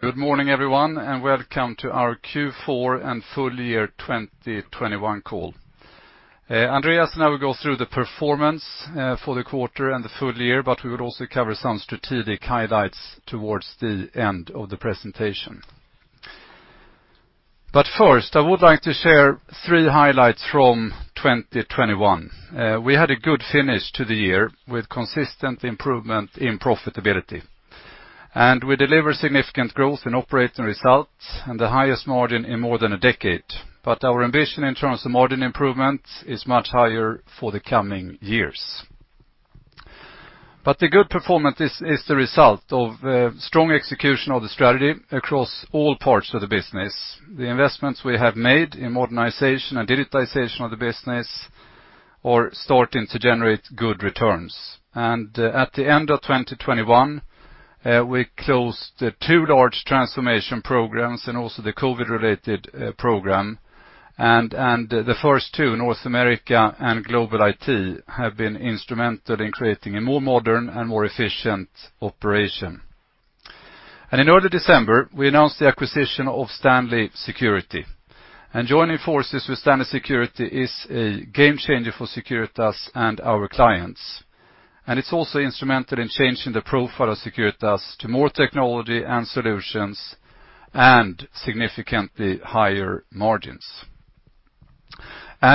Good morning, everyone, and welcome to our Q4 and full year 2021 call. Andreas and I will go through the performance for the quarter and the full year, but we will also cover some strategic highlights towards the end of the presentation. First, I would like to share three highlights from 2021. We had a good finish to the year with consistent improvement in profitability, and we delivered significant growth in operating results and the highest margin in more than a decade. Our ambition in terms of margin improvement is much higher for the coming years. The good performance is the result of strong execution of the strategy across all parts of the business. The investments we have made in modernization and digitization of the business are starting to generate good returns At the end of 2021, we closed two large transformation programs and also the COVID-related program. The first two, North America and Global IT, have been instrumental in creating a more modern and more efficient operation. In early December, we announced the acquisition of Stanley Security. Joining forces with Stanley Security is a game changer for Securitas and our clients, and it's also instrumental in changing the profile of Securitas to more technology and solutions and significantly higher margins.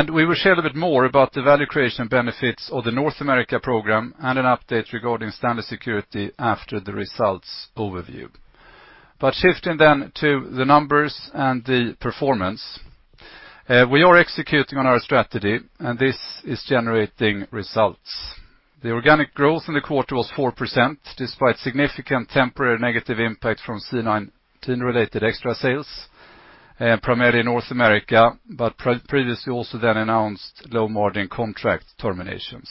We will share a little bit more about the value creation benefits of the North America program and an update regarding Stanley Security after the results overview. Shifting then to the numbers and the performance, we are executing on our strategy, and this is generating results. The organic growth in the quarter was 4% despite significant temporary negative impact from C-19 related extra sales, primarily in North America, but previously also the announced low margin contract terminations.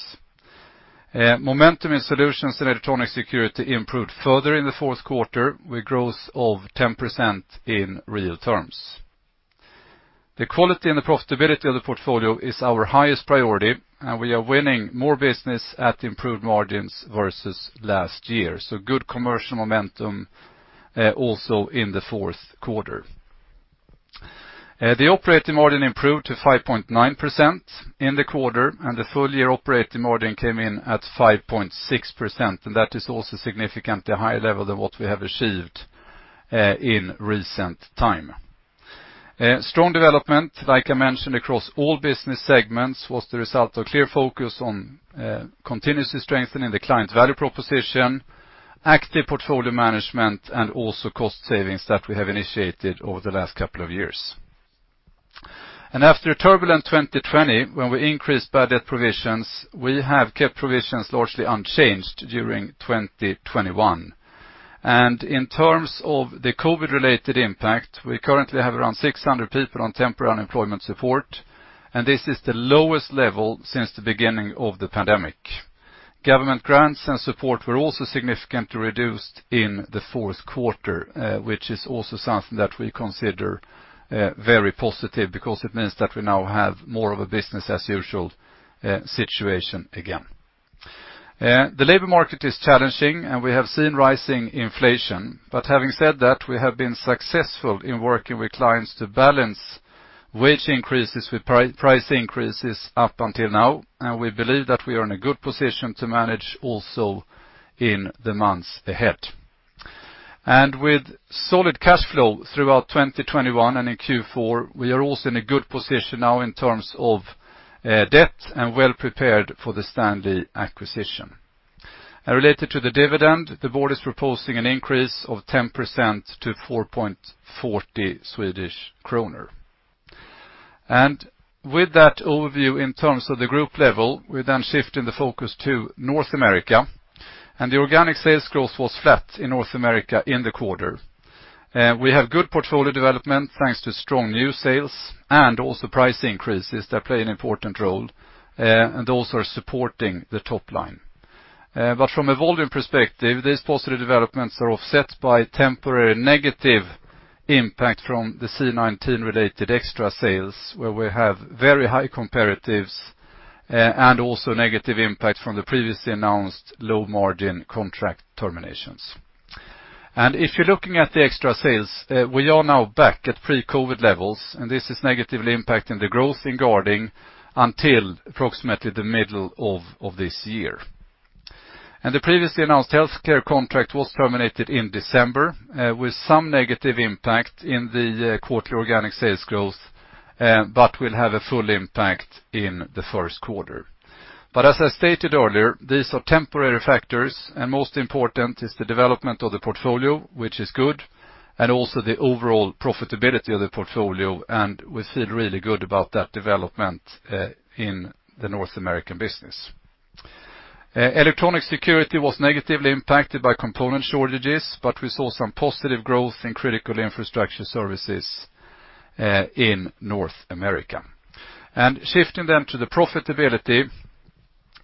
Momentum in solutions and electronic security improved further in the fourth quarter with growth of 10% in real terms. The quality and the profitability of the portfolio is our highest priority, and we are winning more business at improved margins versus last year. Good commercial momentum also in the fourth quarter. The operating margin improved to 5.9% in the quarter, and the full-year operating margin came in at 5.6%, and that is also significantly higher level than what we have achieved in recent time. Strong development, like I mentioned across all business segments, was the result of clear focus on continuously strengthening the client value proposition, active portfolio management, and also cost savings that we have initiated over the last couple of years. After a turbulent 2020, when we increased bad debt provisions, we have kept provisions largely unchanged during 2021. In terms of the COVID related impact, we currently have around 600 people on temporary unemployment support, and this is the lowest level since the beginning of the pandemic. Government grants and support were also significantly reduced in the fourth quarter, which is also something that we consider very positive because it means that we now have more of a business as usual situation again. The labor market is challenging, and we have seen rising inflation. Having said that, we have been successful in working with clients to balance wage increases with price increases up until now, and we believe that we are in a good position to manage also in the months ahead. With solid cash flow throughout 2021 and in Q4, we are also in a good position now in terms of debt and well prepared for the Stanley acquisition. Related to the dividend, the board is proposing an increase of 10% to 4.40 Swedish kronor. With that overview in terms of the group level, we're then shifting the focus to North America. The organic sales growth was flat in North America in the quarter. We have good portfolio development thanks to strong new sales and also price increases that play an important role, and those are supporting the top line. From a volume perspective, these positive developments are offset by temporary negative impact from the C-19 related extra sales, where we have very high comparatives, and also negative impact from the previously announced low margin contract terminations. If you're looking at the extra sales, we are now back at pre-COVID levels, and this is negatively impacting the growth in guarding until approximately the middle of this year. The previously announced healthcare contract was terminated in December, with some negative impact in the quarterly organic sales growth, but will have a full impact in the first quarter. As I stated earlier, these are temporary factors, and most important is the development of the portfolio, which is good, and also the overall profitability of the portfolio. We feel really good about that development in the North American business. Electronic security was negatively impacted by component shortages, but we saw some positive growth in critical infrastructure services in North America. Shifting then to the profitability,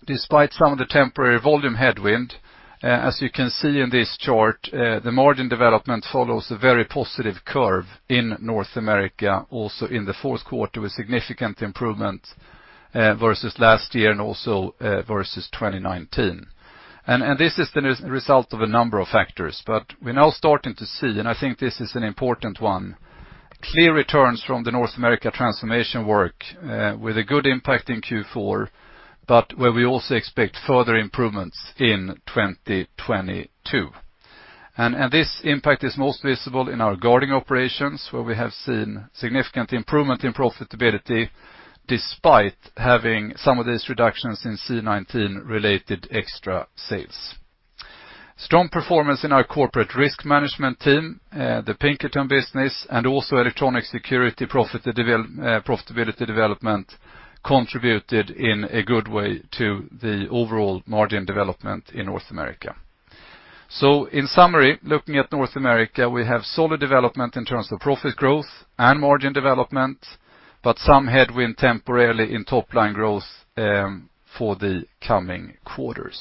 despite some of the temporary volume headwind, as you can see in this chart, the margin development follows a very positive curve in North America, also in the fourth quarter, with significant improvement versus last year and also versus 2019. This is the result of a number of factors. But we're now starting to see, and I think this is an important one. Clear returns from the North America transformation work, with a good impact in Q4, but where we also expect further improvements in 2022. This impact is most visible in our guarding operations, where we have seen significant improvement in profitability despite having some of these reductions in C-19 related extra sales. Strong performance in our corporate risk management team, the Pinkerton business, and also electronic security profitability development contributed in a good way to the overall margin development in North America. In summary, looking at North America, we have solid development in terms of profit growth and margin development, but some headwind temporarily in top line growth for the coming quarters.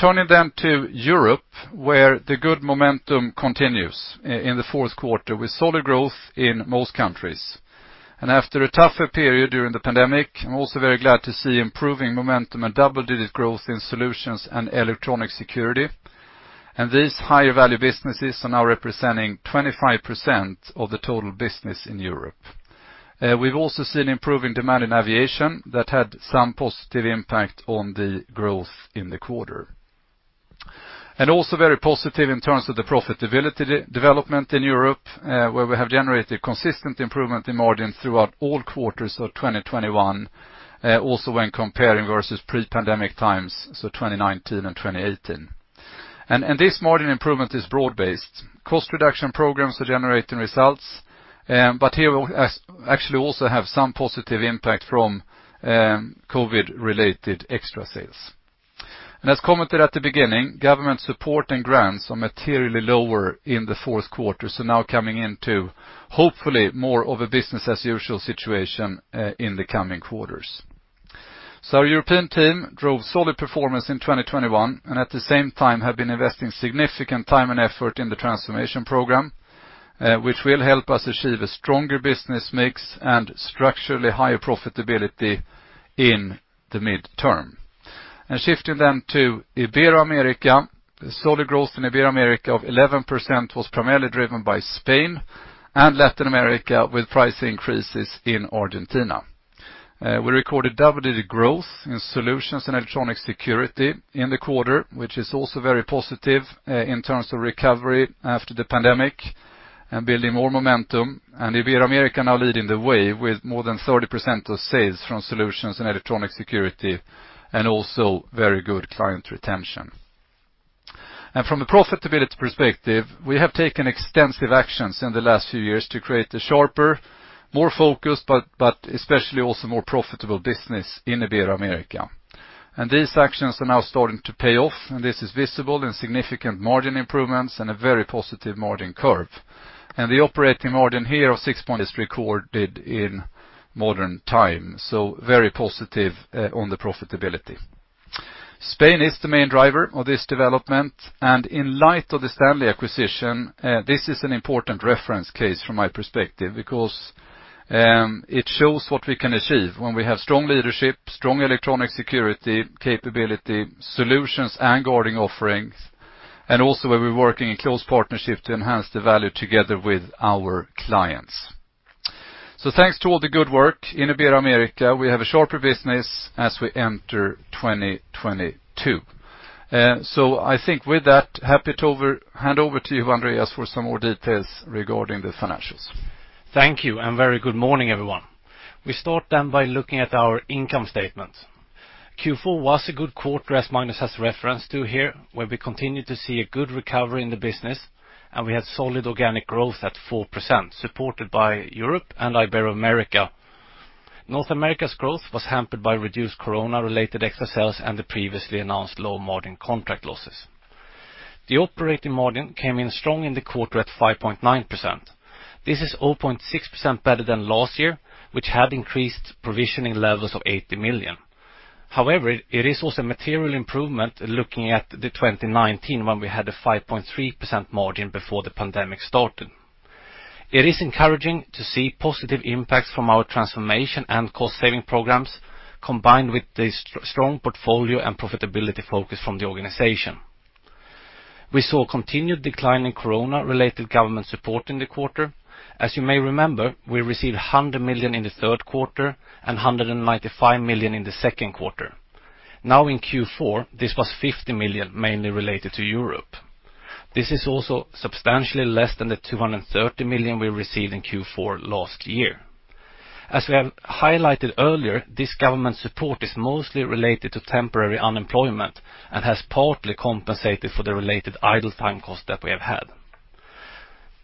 Turning then to Europe, where the good momentum continues in the fourth quarter with solid growth in most countries. After a tougher period during the pandemic, I'm also very glad to see improving momentum and double-digit growth in solutions and electronic security. These higher value businesses are now representing 25% of the total business in Europe. We've also seen improving demand in aviation that had some positive impact on the growth in the quarter. Also very positive in terms of the profitability development in Europe, where we have generated consistent improvement in margins throughout all quarters of 2021, also when comparing versus pre-pandemic times, so 2019 and 2018. This margin improvement is broad-based. Cost reduction programs are generating results, but here we actually also have some positive impact from COVID-related extra sales. As commented at the beginning, government support and grants are materially lower in the fourth quarter, so now coming into hopefully more of a business as usual situation in the coming quarters. Our European team drove solid performance in 2021, and at the same time have been investing significant time and effort in the transformation program, which will help us achieve a stronger business mix and structurally higher profitability in the midterm. Shifting then to Ibero-America. Solid growth in Ibero-America of 11% was primarily driven by Spain and Latin America with price increases in Argentina. We recorded double-digit growth in solutions and electronic security in the quarter, which is also very positive in terms of recovery after the pandemic and building more momentum. Ibero-America now leading the way with more than 30% of sales from solutions and electronic security, and also very good client retention. From a profitability perspective, we have taken extensive actions in the last few years to create a sharper, more focused, but especially also more profitable business in Ibero-America. These actions are now starting to pay off, and this is visible in significant margin improvements and a very positive margin curve. The operating margin here of 6% is recorded in modern times. Very positive on the profitability. Spain is the main driver of this development, and in light of the Stanley acquisition, this is an important reference case from my perspective because it shows what we can achieve when we have strong leadership, strong electronic security capability, solutions and guarding offerings, and also where we're working in close partnership to enhance the value together with our clients. Thanks to all the good work in Ibero-America, we have a sharper business as we enter 2022. I think with that, happy to hand over to you, Andreas, for some more details regarding the financials. Thank you, and very good morning, everyone. We start by looking at our income statement. Q4 was a good quarter as Magnus has referenced to here, where we continued to see a good recovery in the business and we had solid organic growth at 4%, supported by Europe and Ibero-America. North America's growth was hampered by reduced Corona related extra sales and the previously announced low margin contract losses. The operating margin came in strong in the quarter at 5.9%. This is 0.6% better than last year, which had increased provisioning levels of 80 million. However, it is also a material improvement looking at 2019 when we had a 5.3% margin before the pandemic started. It is encouraging to see positive impacts from our transformation and cost saving programs combined with the strong portfolio and profitability focus from the organization. We saw continued decline in Corona-related government support in the quarter. As you may remember, we received 100 million in the third quarter and 195 million in the second quarter. Now in Q4, this was 50 million mainly related to Europe. This is also substantially less than the 230 million we received in Q4 last year. As we have highlighted earlier, this government support is mostly related to temporary unemployment and has partly compensated for the related idle time cost that we have had.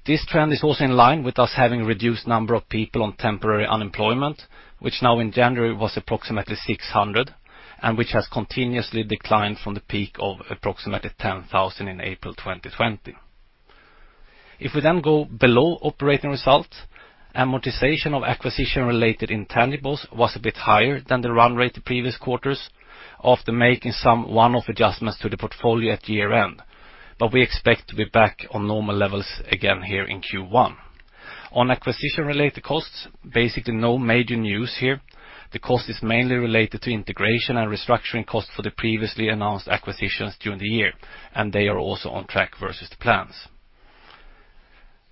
This trend is also in line with us having reduced number of people on temporary unemployment, which now in January was approximately 600, and which has continuously declined from the peak of approximately 10,000 in April 2020. If we then go below operating results, amortization of acquisition related intangibles was a bit higher than the run rate the previous quarters after making some one-off adjustments to the portfolio at year-end. We expect to be back on normal levels again here in Q1. On acquisition related costs, basically no major news here. The cost is mainly related to integration and restructuring costs for the previously announced acquisitions during the year, and they are also on track versus the plans.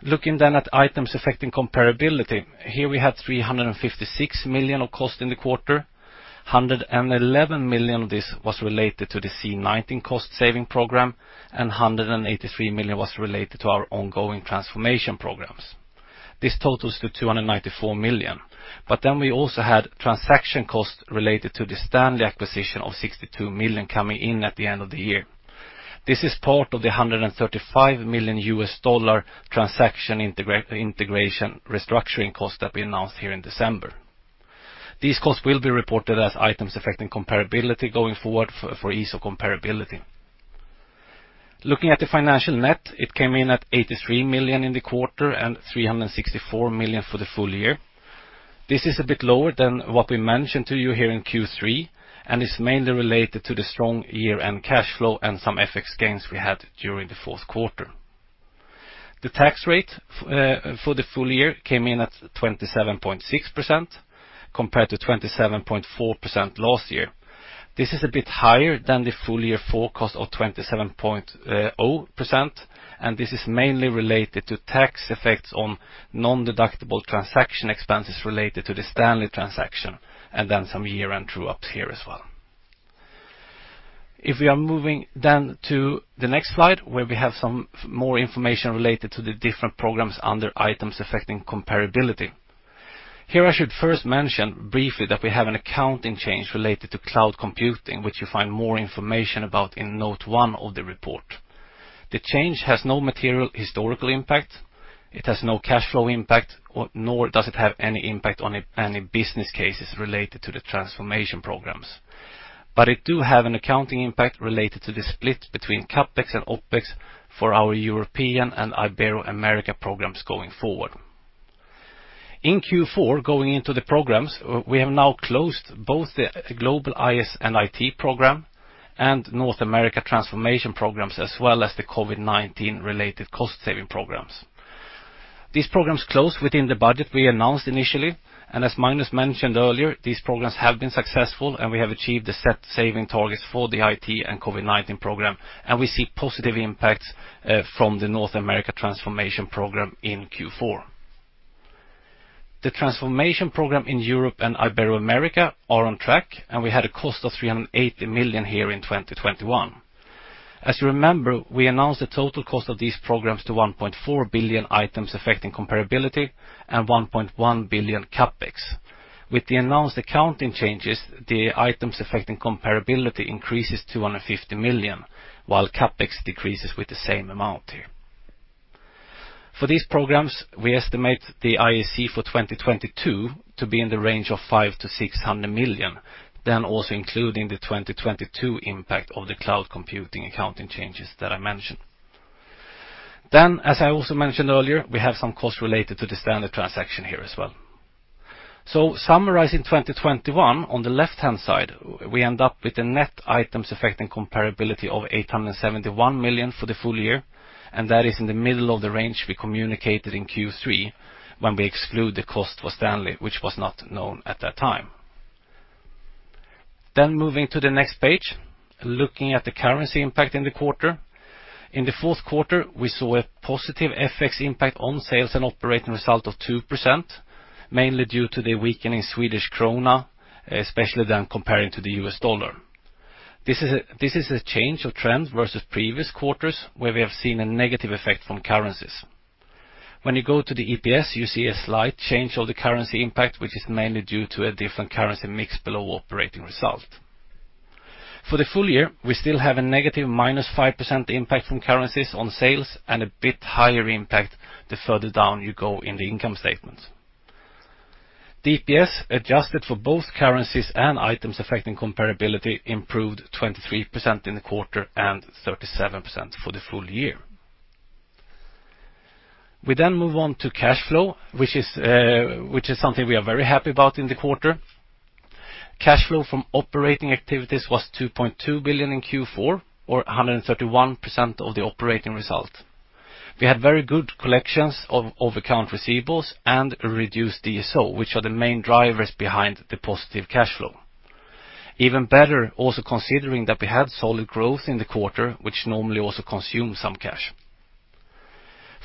Looking then at items affecting comparability. Here we had 356 million of cost in the quarter. 111 million of this was related to the C-19 cost saving program, and 183 million was related to our ongoing transformation programs. This totals to 294 million. We also had transaction costs related to the Stanley acquisition of 62 million coming in at the end of the year. This is part of the $135 million transaction integration restructuring cost that we announced here in December. These costs will be reported as items affecting comparability going forward for ease of comparability. Looking at the financial net, it came in at 83 million in the quarter and 364 million for the full year. This is a bit lower than what we mentioned to you here in Q3, and it's mainly related to the strong year-end cash flow and some FX gains we had during the fourth quarter. The tax rate for the full year came in at 27.6% compared to 27.4% last year. This is a bit higher than the full year forecast of 27.0%, and this is mainly related to tax effects on non-deductible transaction expenses related to the Stanley transaction, and then some year-end true ups here as well. If we are moving then to the next slide, where we have some more information related to the different programs under items affecting comparability. Here I should first mention briefly that we have an accounting change related to cloud computing, which you'll find more information about in note one of the report. The change has no material historical impact, it has no cash flow impact, nor does it have any impact on any business cases related to the transformation programs. It do have an accounting impact related to the split between CapEx and OpEx for our European and Ibero-America programs going forward. In Q4, going into the programs, we have now closed both the global IS and IT program and North America transformation programs, as well as the COVID-19 related cost-saving programs. These programs close within the budget we announced initially. As Magnus mentioned earlier, these programs have been successful and we have achieved the set savings targets for the IT and COVID-19 program, and we see positive impacts from the North America Business Transformation in Q4. The transformation program in Europe and Ibero-America are on track, and we had a cost of 380 million here in 2021. As you remember, we announced the total cost of these programs to 1.4 billion items affecting comparability and 1.1 billion CapEx. With the announced accounting changes, the items affecting comparability increases to 150 million, while CapEx decreases with the same amount here. For these programs, we estimate the IAC for 2022 to be in the range of 500 million-600 million, then also including the 2022 impact of the cloud computing accounting changes that I mentioned. As I also mentioned earlier, we have some costs related to the STANLEY transaction here as well. Summarizing 2021, on the left-hand side, we end up with the net items affecting comparability of 871 million for the full year, and that is in the middle of the range we communicated in Q3 when we exclude the cost for Stanley, which was not known at that time. Moving to the next page, looking at the currency impact in the quarter. In the fourth quarter, we saw a positive FX impact on sales and operating result of 2%, mainly due to the weakening Swedish krona, especially when comparing to the US dollar. This is a change of trend versus previous quarters, where we have seen a negative effect from currencies. When you go to the EPS, you see a slight change of the currency impact, which is mainly due to a different currency mix below operating result. For the full year, we still have a negative -5% impact from currencies on sales and a bit higher impact the further down you go in the income statement. The EPS, adjusted for both currencies and items affecting comparability, improved 23% in the quarter and 37% for the full year. We move on to cash flow, which is something we are very happy about in the quarter. Cash flow from operating activities was 2.2 billion in Q4 or 131% of the operating result. We had very good collections of accounts receivable and a reduced DSO, which are the main drivers behind the positive cash flow. Even better, also considering that we had solid growth in the quarter, which normally also consumes some cash.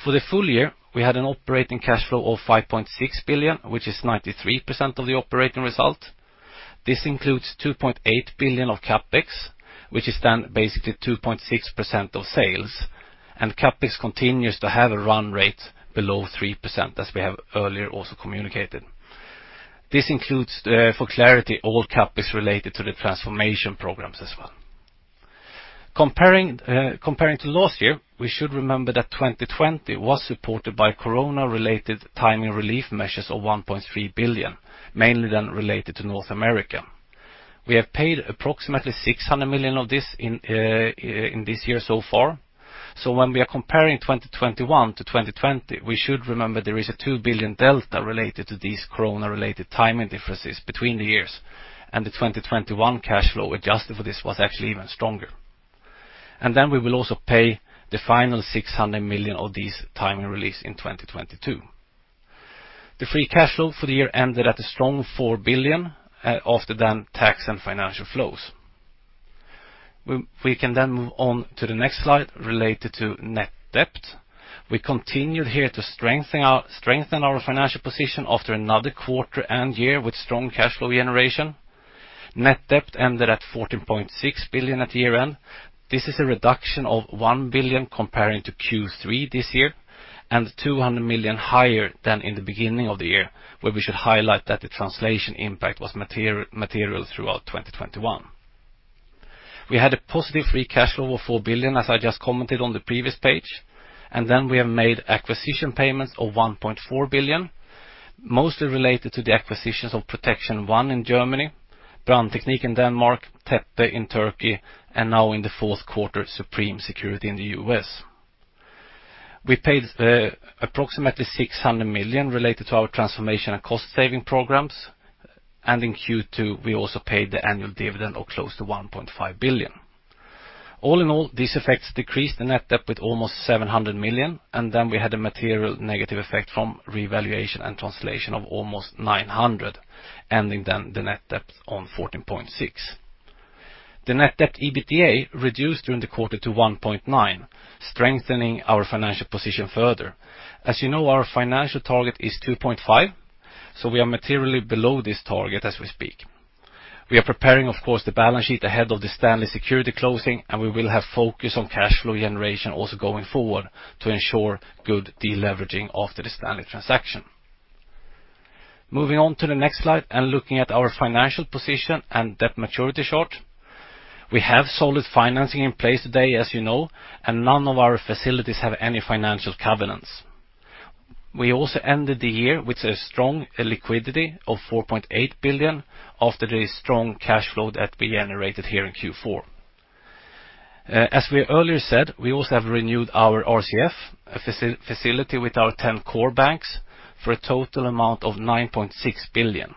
For the full year, we had an operating cash flow of 5.6 billion, which is 93% of the operating result. This includes 2.8 billion of CapEx, which is then basically 2.6% of sales. CapEx continues to have a run rate below 3%, as we have earlier also communicated. This includes, for clarity, all CapEx related to the transformation programs as well. Comparing to last year, we should remember that 2020 was supported by corona-related timing relief measures of 1.3 billion, mainly then related to North America. We have paid approximately 600 million of this in this year so far. When we are comparing 2021 to 2020, we should remember there is a 2 billion delta related to these corona-related timing differences between the years. The 2021 cash flow, adjusted for this, was actually even stronger. We will also pay the final 600 million of these timing release in 2022. The free cash flow for the year ended at a strong 4 billion after net tax and financial items. We can then move on to the next slide related to net debt. We continued here to strengthen our financial position after another quarter and year with strong cash flow generation. Net debt ended at 14.6 billion at year-end. This is a reduction of 1 billion compared to Q3 this year, and 200 million higher than in the beginning of the year, where we should highlight that the translation impact was material throughout 2021. We had a positive free cash flow of 4 billion, as I just commented on the previous page. We have made acquisition payments of 1.4 billion, mostly related to the acquisitions of Protection One in Germany, Dansk Brandteknik in Denmark, Tepe Güvenlik in Turkey, and now in the fourth quarter, Supreme Security Systems in the U.S. We paid approximately 600 million related to our transformation and cost saving programs. In Q2, we also paid the annual dividend of close to 1.5 billion. All in all, these effects decreased the net debt with almost 700 million, and then we had a material negative effect from revaluation and translation of almost 900 million, ending then the net debt on 14.6 billion. The net debt EBITDA reduced during the quarter to 1.9, strengthening our financial position further. As you know, our financial target is 2.5, so we are materially below this target as we speak. We are preparing, of course, the balance sheet ahead of the Stanley Security closing, and we will have focus on cash flow generation also going forward to ensure good deleveraging after the Stanley transaction. Moving on to the next slide and looking at our financial position and debt maturity chart. We have solid financing in place today, as you know, and none of our facilities have any financial covenants. We also ended the year with a strong liquidity of 4.8 billion after the strong cash flow that we generated here in Q4. As we earlier said, we also have renewed our RCF, a facility with our 10 core banks for a total amount of 9.6 billion.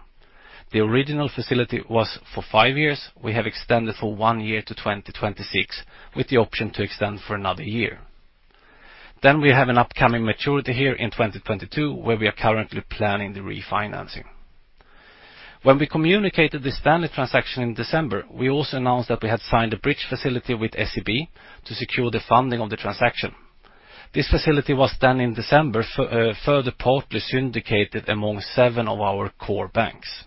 The original facility was for five years. We have extended for one year to 2026, with the option to extend for another year. We have an upcoming maturity here in 2022, where we are currently planning the refinancing. When we communicated the Stanley transaction in December, we also announced that we had signed a bridge facility with SEB to secure the funding of the transaction. This facility was then in December further partly syndicated among seven of our core banks.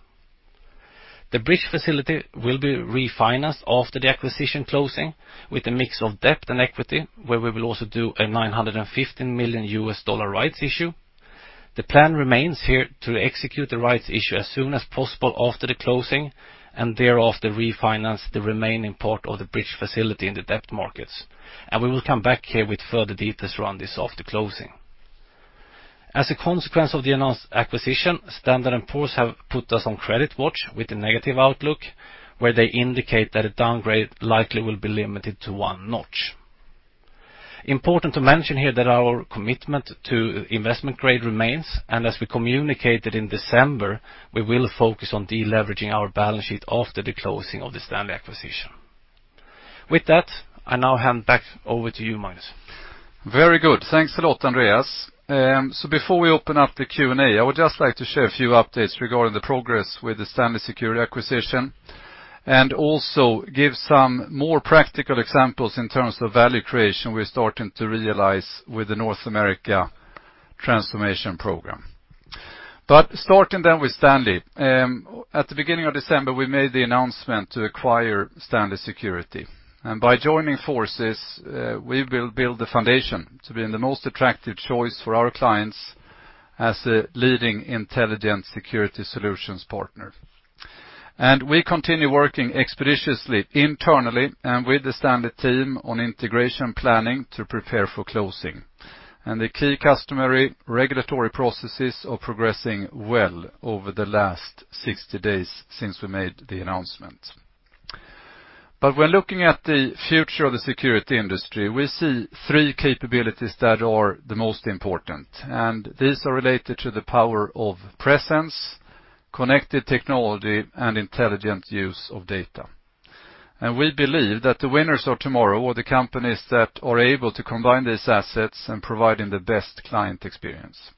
The bridge facility will be refinanced after the acquisition closing with a mix of debt and equity, where we will also do a $950 million rights issue. The plan remains here to execute the rights issue as soon as possible after the closing, and thereafter refinance the remaining part of the bridge facility in the debt markets. We will come back here with further details around this after closing. As a consequence of the announced acquisition, Standard & Poor's have put us on credit watch with a negative outlook, where they indicate that a downgrade likely will be limited to one notch. Important to mention here that our commitment to investment grade remains, and as we communicated in December, we will focus on deleveraging our balance sheet after the closing of the Stanley acquisition. With that, I now hand back over to you, Magnus. Very good. Thanks a lot, Andreas. Before we open up the Q&A, I would just like to share a few updates regarding the progress with the Stanley Security acquisition, and also give some more practical examples in terms of value creation we're starting to realize with the North America Transformation Program. Starting then with Stanley. At the beginning of December, we made the announcement to acquire Stanley Security. By joining forces, we will build the foundation to be the most attractive choice for our clients as a leading intelligent security solutions partner. We continue working expeditiously internally and with the Stanley team on integration planning to prepare for closing. The key customary regulatory processes are progressing well over the last 60 days since we made the announcement. When looking at the future of the security industry, we see three capabilities that are the most important, and these are related to the power of presence, connected technology, and intelligent use of data. We believe that the winners of tomorrow are the companies that are able to combine these assets and providing the best client experience.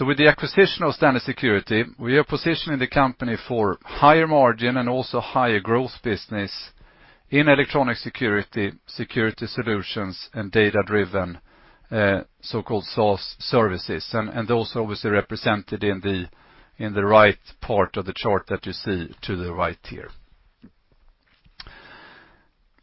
With the acquisition of Stanley Security, we are positioning the company for higher margin and also higher growth business in electronic security solutions, and data-driven, so-called SaaS services. Those obviously represented in the right part of the chart that you see to the right here.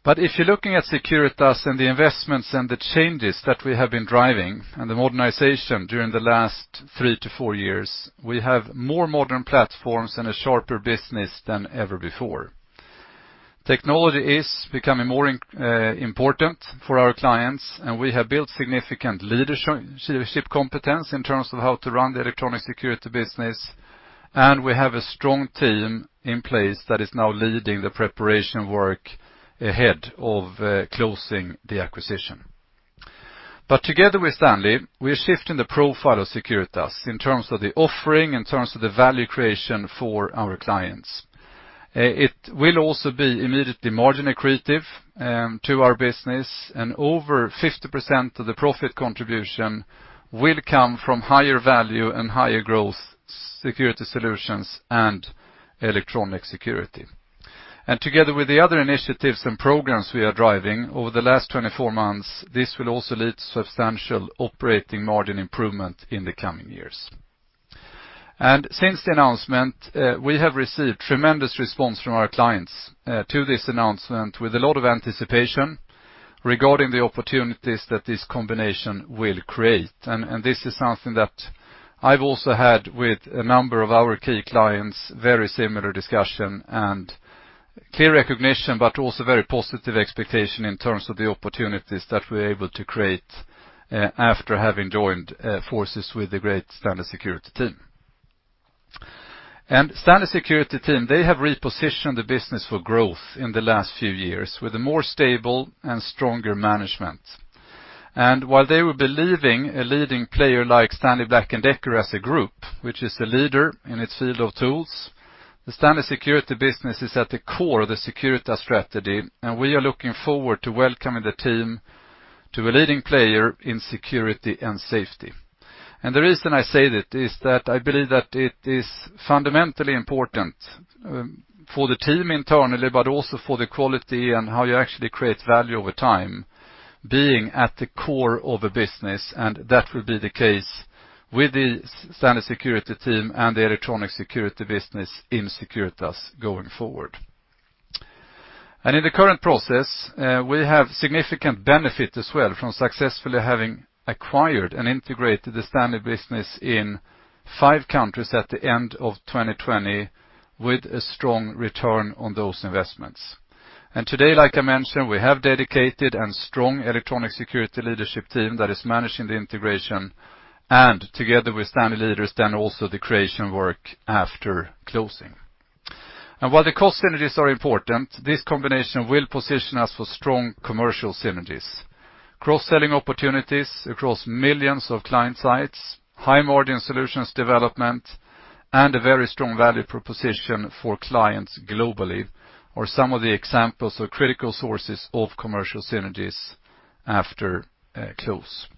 If you're looking at Securitas and the investments and the changes that we have been driving and the modernization during the last three to four years, we have more modern platforms and a sharper business than ever before. Technology is becoming more important for our clients, and we have built significant leadership competence in terms of how to run the electronic security business, and we have a strong team in place that is now leading the preparation work ahead of closing the acquisition. Together with Stanley, we are shifting the profile of Securitas in terms of the offering, in terms of the value creation for our clients. It will also be immediately margin accretive to our business, and over 50% of the profit contribution will come from higher value and higher growth security solutions and electronic security. Together with the other initiatives and programs we are driving over the last 24 months, this will also lead to substantial operating margin improvement in the coming years. Since the announcement, we have received tremendous response from our clients to this announcement with a lot of anticipation regarding the opportunities that this combination will create. This is something that I've also had with a number of our key clients, very similar discussion and clear recognition, but also very positive expectation in terms of the opportunities that we're able to create after having joined forces with the great Stanley Security team. Stanley Security team, they have repositioned the business for growth in the last few years with a more stable and stronger management. While they will be leaving a leading player like Stanley Black & Decker as a group, which is a leader in its field of tools, the Stanley Security business is at the core of the Securitas strategy, and we are looking forward to welcoming the team to a leading player in security and safety. The reason I say it is that I believe that it is fundamentally important, for the team internally, but also for the quality and how you actually create value over time, being at the core of a business, and that will be the case with the Stanley Security team and the electronic security business in Securitas going forward. In the current process, we have significant benefit as well from successfully having acquired and integrated the Stanley business in five countries at the end of 2020 with a strong return on those investments. Today, like I mentioned, we have dedicated and strong electronic security leadership team that is managing the integration and together with Stanley leaders then also the creation work after closing. While the cost synergies are important, this combination will position us for strong commercial synergies. Cross-selling opportunities across millions of client sites, high-margin solutions development, and a very strong value proposition for clients globally are some of the examples of critical sources of commercial synergies after close.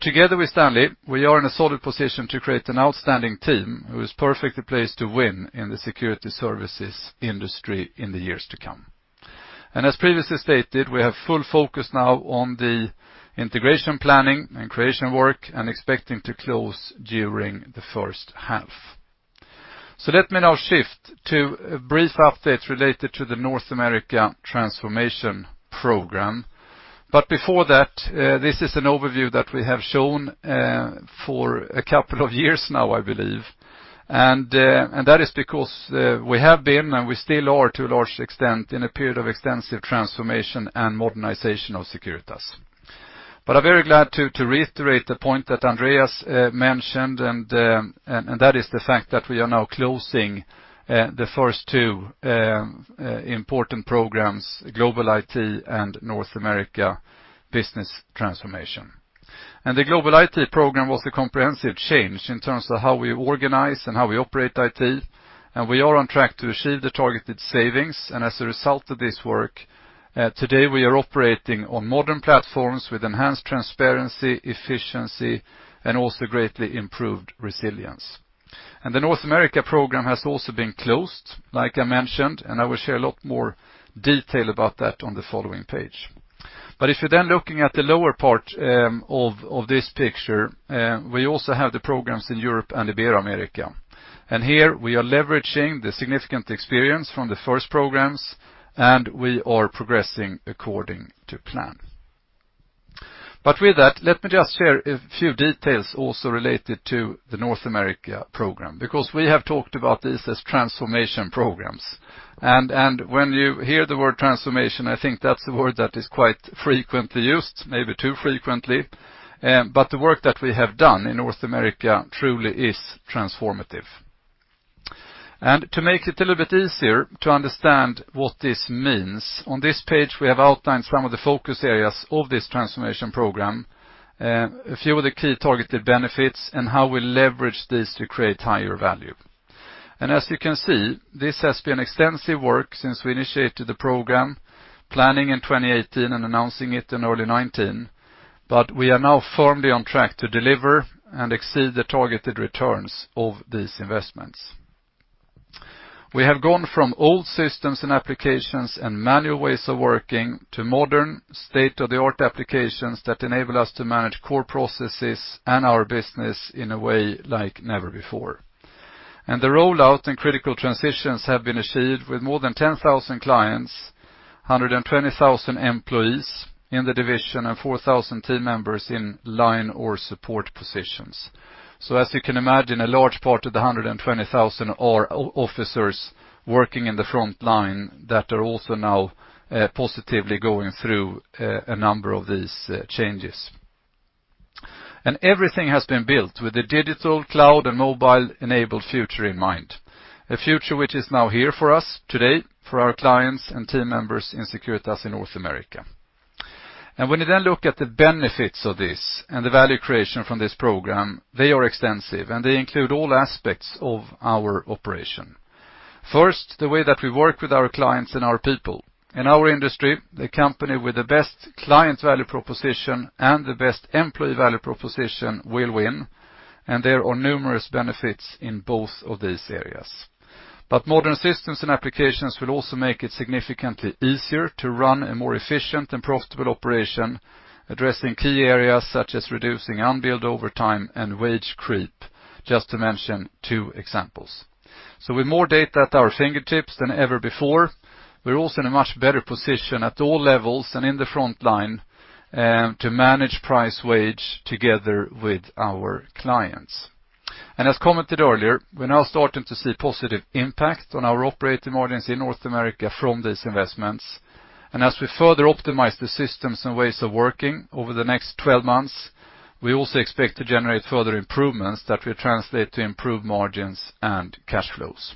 Together with Stanley, we are in a solid position to create an outstanding team who is perfectly placed to win in the security services industry in the years to come. As previously stated, we have full focus now on the integration planning and creation work and expecting to close during the first half. Let me now shift to a brief update related to the North America Business Transformation. Before that, this is an overview that we have shown for a couple of years now, I believe. That is because we have been, and we still are to a large extent, in a period of extensive transformation and modernization of Securitas. I'm very glad to reiterate the point that Andreas mentioned, and that is the fact that we are now closing the first two important programs, Global IT and North America Business Transformation. The Global IT program was a comprehensive change in terms of how we organize and how we operate IT, and we are on track to achieve the targeted savings. As a result of this work, today we are operating on modern platforms with enhanced transparency, efficiency, and also greatly improved resilience. The North America program has also been closed, like I mentioned, and I will share a lot more detail about that on the following page. If you're then looking at the lower part of this picture, we also have the programs in Europe and Ibero-America. Here we are leveraging the significant experience from the first programs, and we are progressing according to plan. With that, let me just share a few details also related to the North America program, because we have talked about these as transformation programs. When you hear the word transformation, I think that's a word that is quite frequently used, maybe too frequently. The work that we have done in North America truly is transformative. To make it a little bit easier to understand what this means, on this page, we have outlined some of the focus areas of this transformation program, a few of the key targeted benefits, and how we leverage this to create higher value. As you can see, this has been extensive work since we initiated the program, planning in 2018 and announcing it in early 2019. We are now firmly on track to deliver and exceed the targeted returns of these investments. We have gone from old systems and applications and manual ways of working to modern state-of-the-art applications that enable us to manage core processes and our business in a way like never before. The rollout and critical transitions have been achieved with more than 10,000 clients, 120,000 employees in the division, and 4,000 team members in line or support positions. As you can imagine, a large part of the 120,000 are officers working in the front line that are also now positively going through a number of these changes. Everything has been built with a digital cloud and mobile-enabled future in mind, a future which is now here for us today for our clients and team members in Securitas in North America. When you then look at the benefits of this and the value creation from this program, they are extensive, and they include all aspects of our operation. First, the way that we work with our clients and our people. In our industry, the company with the best client value proposition and the best employee value proposition will win, and there are numerous benefits in both of these areas. Modern systems and applications will also make it significantly easier to run a more efficient and profitable operation, addressing key areas such as reducing unbilled overtime and wage creep, just to mention two examples. With more data at our fingertips than ever before, we're also in a much better position at all levels and in the front line, to manage pricing and wages together with our clients. As commented earlier, we're now starting to see positive impact on our operating margins in North America from these investments. As we further optimize the systems and ways of working over the next 12 months, we also expect to generate further improvements that will translate to improved margins and cash flows.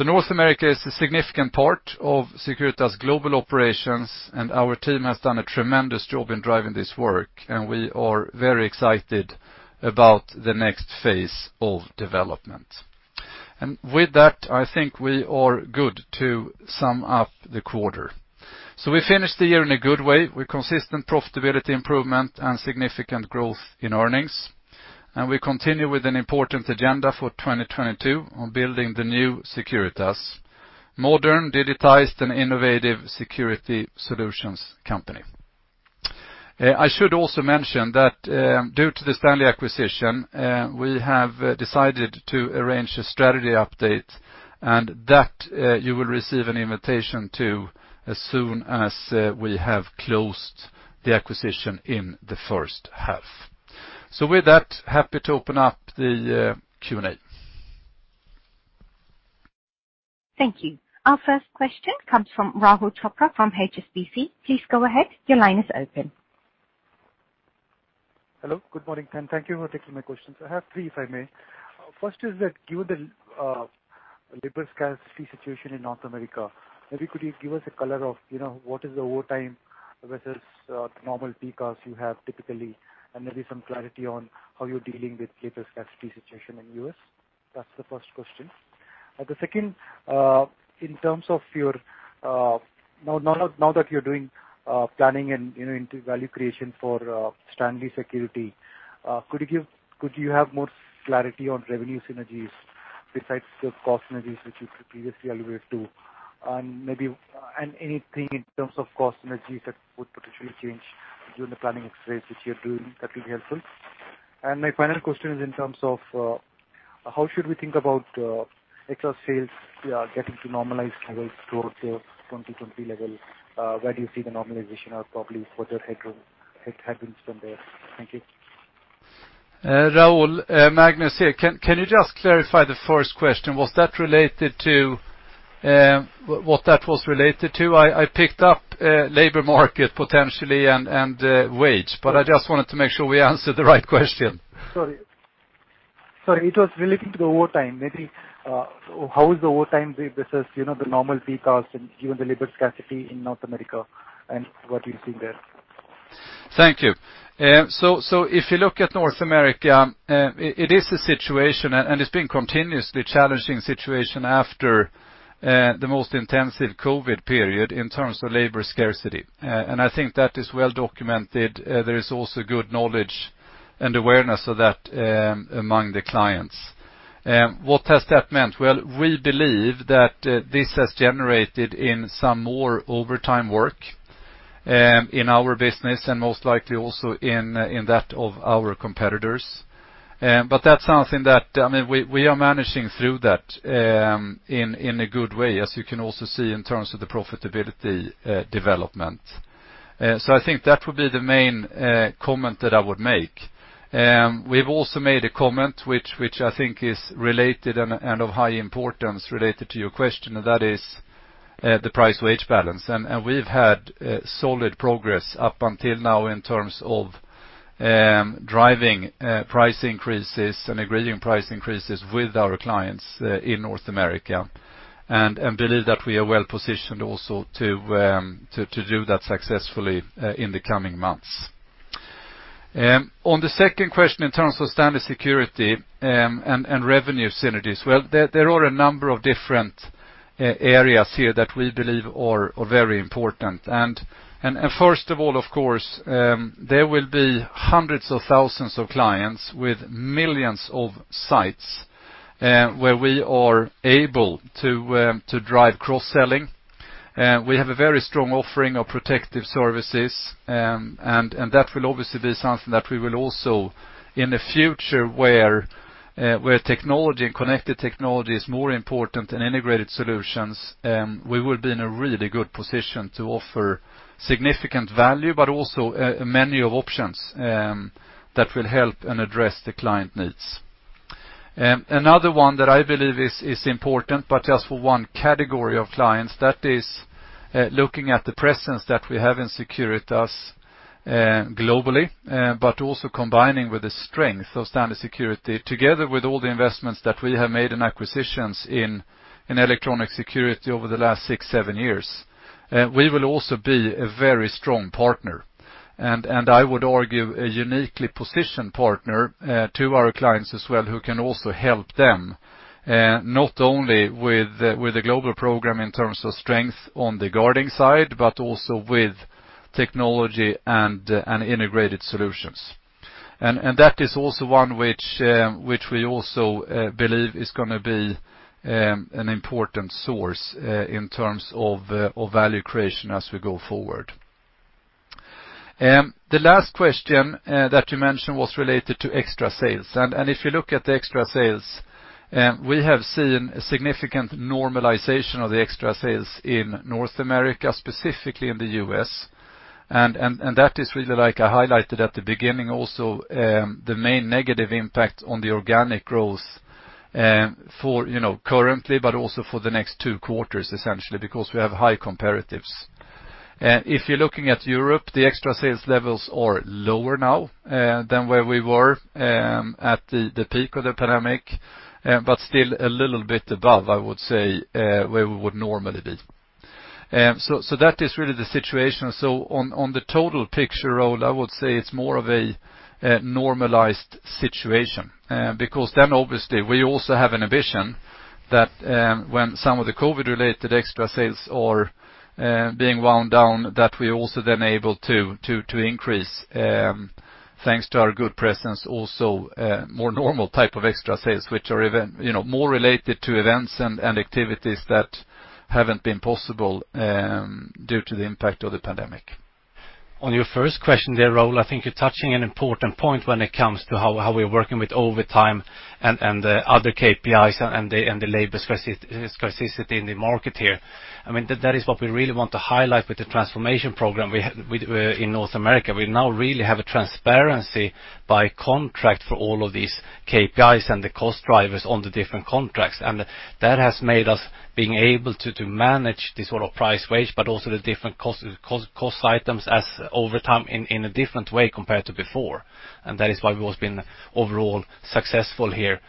North America is a significant part of Securitas global operations, and our team has done a tremendous job in driving this work, and we are very excited about the next phase of development. With that, I think we are good to sum up the quarter. We finished the year in a good way with consistent profitability improvement and significant growth in earnings. We continue with an important agenda for 2022 on building the new Securitas modern, digitized and innovative security solutions company. I should also mention that, due to the Stanley acquisition, we have decided to arrange a strategy update and that you will receive an invitation to it as soon as we have closed the acquisition in the first half. With that, happy to open up the Q&A. Thank you. Our first question comes from Rahul Chopra from HSBC. Please go ahead. Your line is open. Hello. Good morning. Thank you for taking my questions. I have three, if I may. First is that given the labor scarcity situation in North America, maybe could you give us a color of, you know, what is the overtime versus normal peak hours you have typically, and maybe some clarity on how you're dealing with labor scarcity situation in U.S.? That's the first question. The second, in terms of your, now that you're doing planning and, you know, into value creation for Stanley Security, could you have more clarity on revenue synergies besides the cost synergies which you previously alluded to? And maybe and anything in terms of cost synergies that would potentially change during the planning exercise which you're doing that will be helpful. My final question is in terms of how should we think about excess sales getting to normalized levels towards the 2020 level? Where do you see the normalization or probably further headrooms from there? Thank you. Rahul, Magnus here. Can you just clarify the first question? Was that related to what that was related to? I picked up labor market potentially and wage, but I just wanted to make sure we answered the right question. Sorry, it was relating to the overtime. Maybe, how is the overtime versus, you know, the normal peak hours and given the labor scarcity in North America and what you're seeing there? Thank you. If you look at North America, it is a continuously challenging situation after the most intensive COVID period in terms of labor scarcity. I think that is well documented. There is also good knowledge and awareness of that among the clients. What has that meant? Well, we believe that this has generated some more overtime work in our business and most likely also in that of our competitors. That's something that I mean we are managing through that in a good way, as you can also see in terms of the profitability development. I think that would be the main comment that I would make. We've also made a comment which I think is related and of high importance related to your question, and that is the price wage balance. We've had solid progress up until now in terms of driving price increases and agreeing price increases with our clients in North America. We believe that we are well-positioned also to do that successfully in the coming months. On the second question in terms of Stanley Security and revenue synergies, well, there are a number of different areas here that we believe are very important. First of all, of course, there will be hundreds of thousands of clients with millions of sites where we are able to drive cross-selling. We have a very strong offering of protective services, and that will obviously be something that we will also in the future where technology and connected technology is more important than integrated solutions, we will be in a really good position to offer significant value, but also a menu of options that will help and address the client needs. Another one that I believe is important, but just for one category of clients, that is, looking at the presence that we have in Securitas globally, but also combining with the strength of Stanley Security together with all the investments that we have made in acquisitions in electronic security over the last six, seven years. We will also be a very strong partner, and I would argue a uniquely positioned partner, to our clients as well who can also help them, not only with a global program in terms of strength on the guarding side, but also with technology and integrated solutions. That is also one which we also believe is going to be an important source in terms of value creation as we go forward. The last question that you mentioned was related to extra sales. If you look at the extra sales, we have seen a significant normalization of the extra sales in North America, specifically in the U.S. That is really like I highlighted at the beginning also, the main negative impact on the organic growth, for you know, currently, but also for the next two quarters, essentially because we have high comparatives. If you're looking at Europe, the extra sales levels are lower now than where we were at the peak of the pandemic, but still a little bit above, I would say, where we would normally be. That is really the situation. On the total picture, Rahul, I would say it's more of a normalized situation. Because then obviously we also have an ambition that, when some of the COVID-related extra sales are being wound down, that we're also then able to increase, thanks to our good presence, also more normal type of extra sales, which are even, you know, more related to events and activities that haven't been possible due to the impact of the pandemic. On your first question there, Rahul, I think you're touching an important point when it comes to how we're working with overtime and the other KPIs and the labor scarcity in the market here. I mean, that is what we really want to highlight with the transformation program we had with in North America. We now really have a transparency by contract for all of these KPIs and the cost drivers on the different contracts. That has made us being able to manage this sort of price wage, but also the different cost items as overtime in a different way compared to before. That is why we've always been overall successful here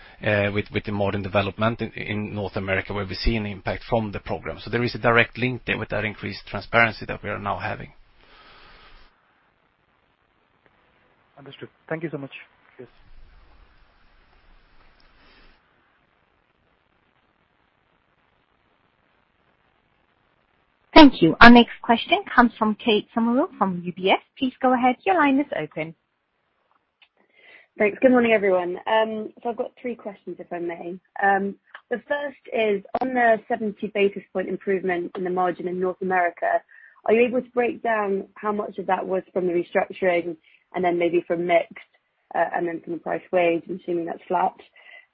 with the margin development in North America, where we see an impact from the program. There is a direct link there with that increased transparency that we are now having. Understood. Thank you so much. Yes. Thank you. Our next question comes from Kate Somerville from UBS. Please go ahead, your line is open. Thanks. Good morning, everyone. I've got three questions, if I may. The first is on the 70 basis point improvement in the margin in North America, are you able to break down how much of that was from the restructuring and then maybe from mix, and then from price wage, assuming that's flat?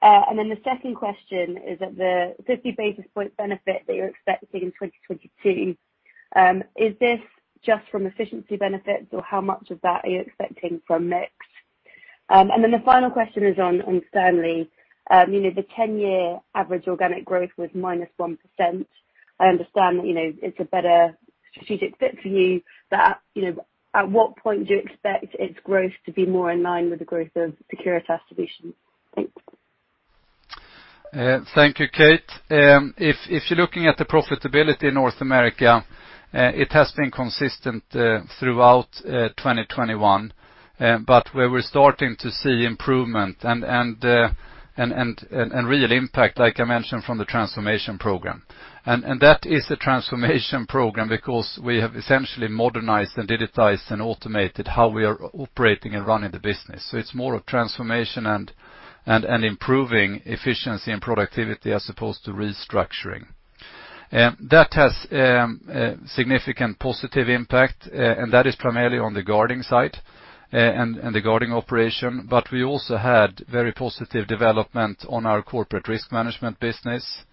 The second question is that the 50 basis point benefit that you're expecting in 2022, is this just from efficiency benefits, or how much of that are you expecting from mix? The final question is on Stanley. You know the 10-year average organic growth was -1%. I understand that, you know, it's a better strategic fit for you, but, you know, at what point do you expect its growth to be more in line with the growth of Securitas Solutions? Thanks. Thank you, Kate. If you're looking at the profitability in North America, it has been consistent throughout 2021. Where we're starting to see improvement and real impact, like I mentioned, from the transformation program. That is a transformation program because we have essentially modernized and digitized and automated how we are operating and running the business. It's more of transformation and improving efficiency and productivity as opposed to restructuring. That has significant positive impact, and that is primarily on the guarding side, and the guarding operation. We also had very positive development on our corporate risk management business.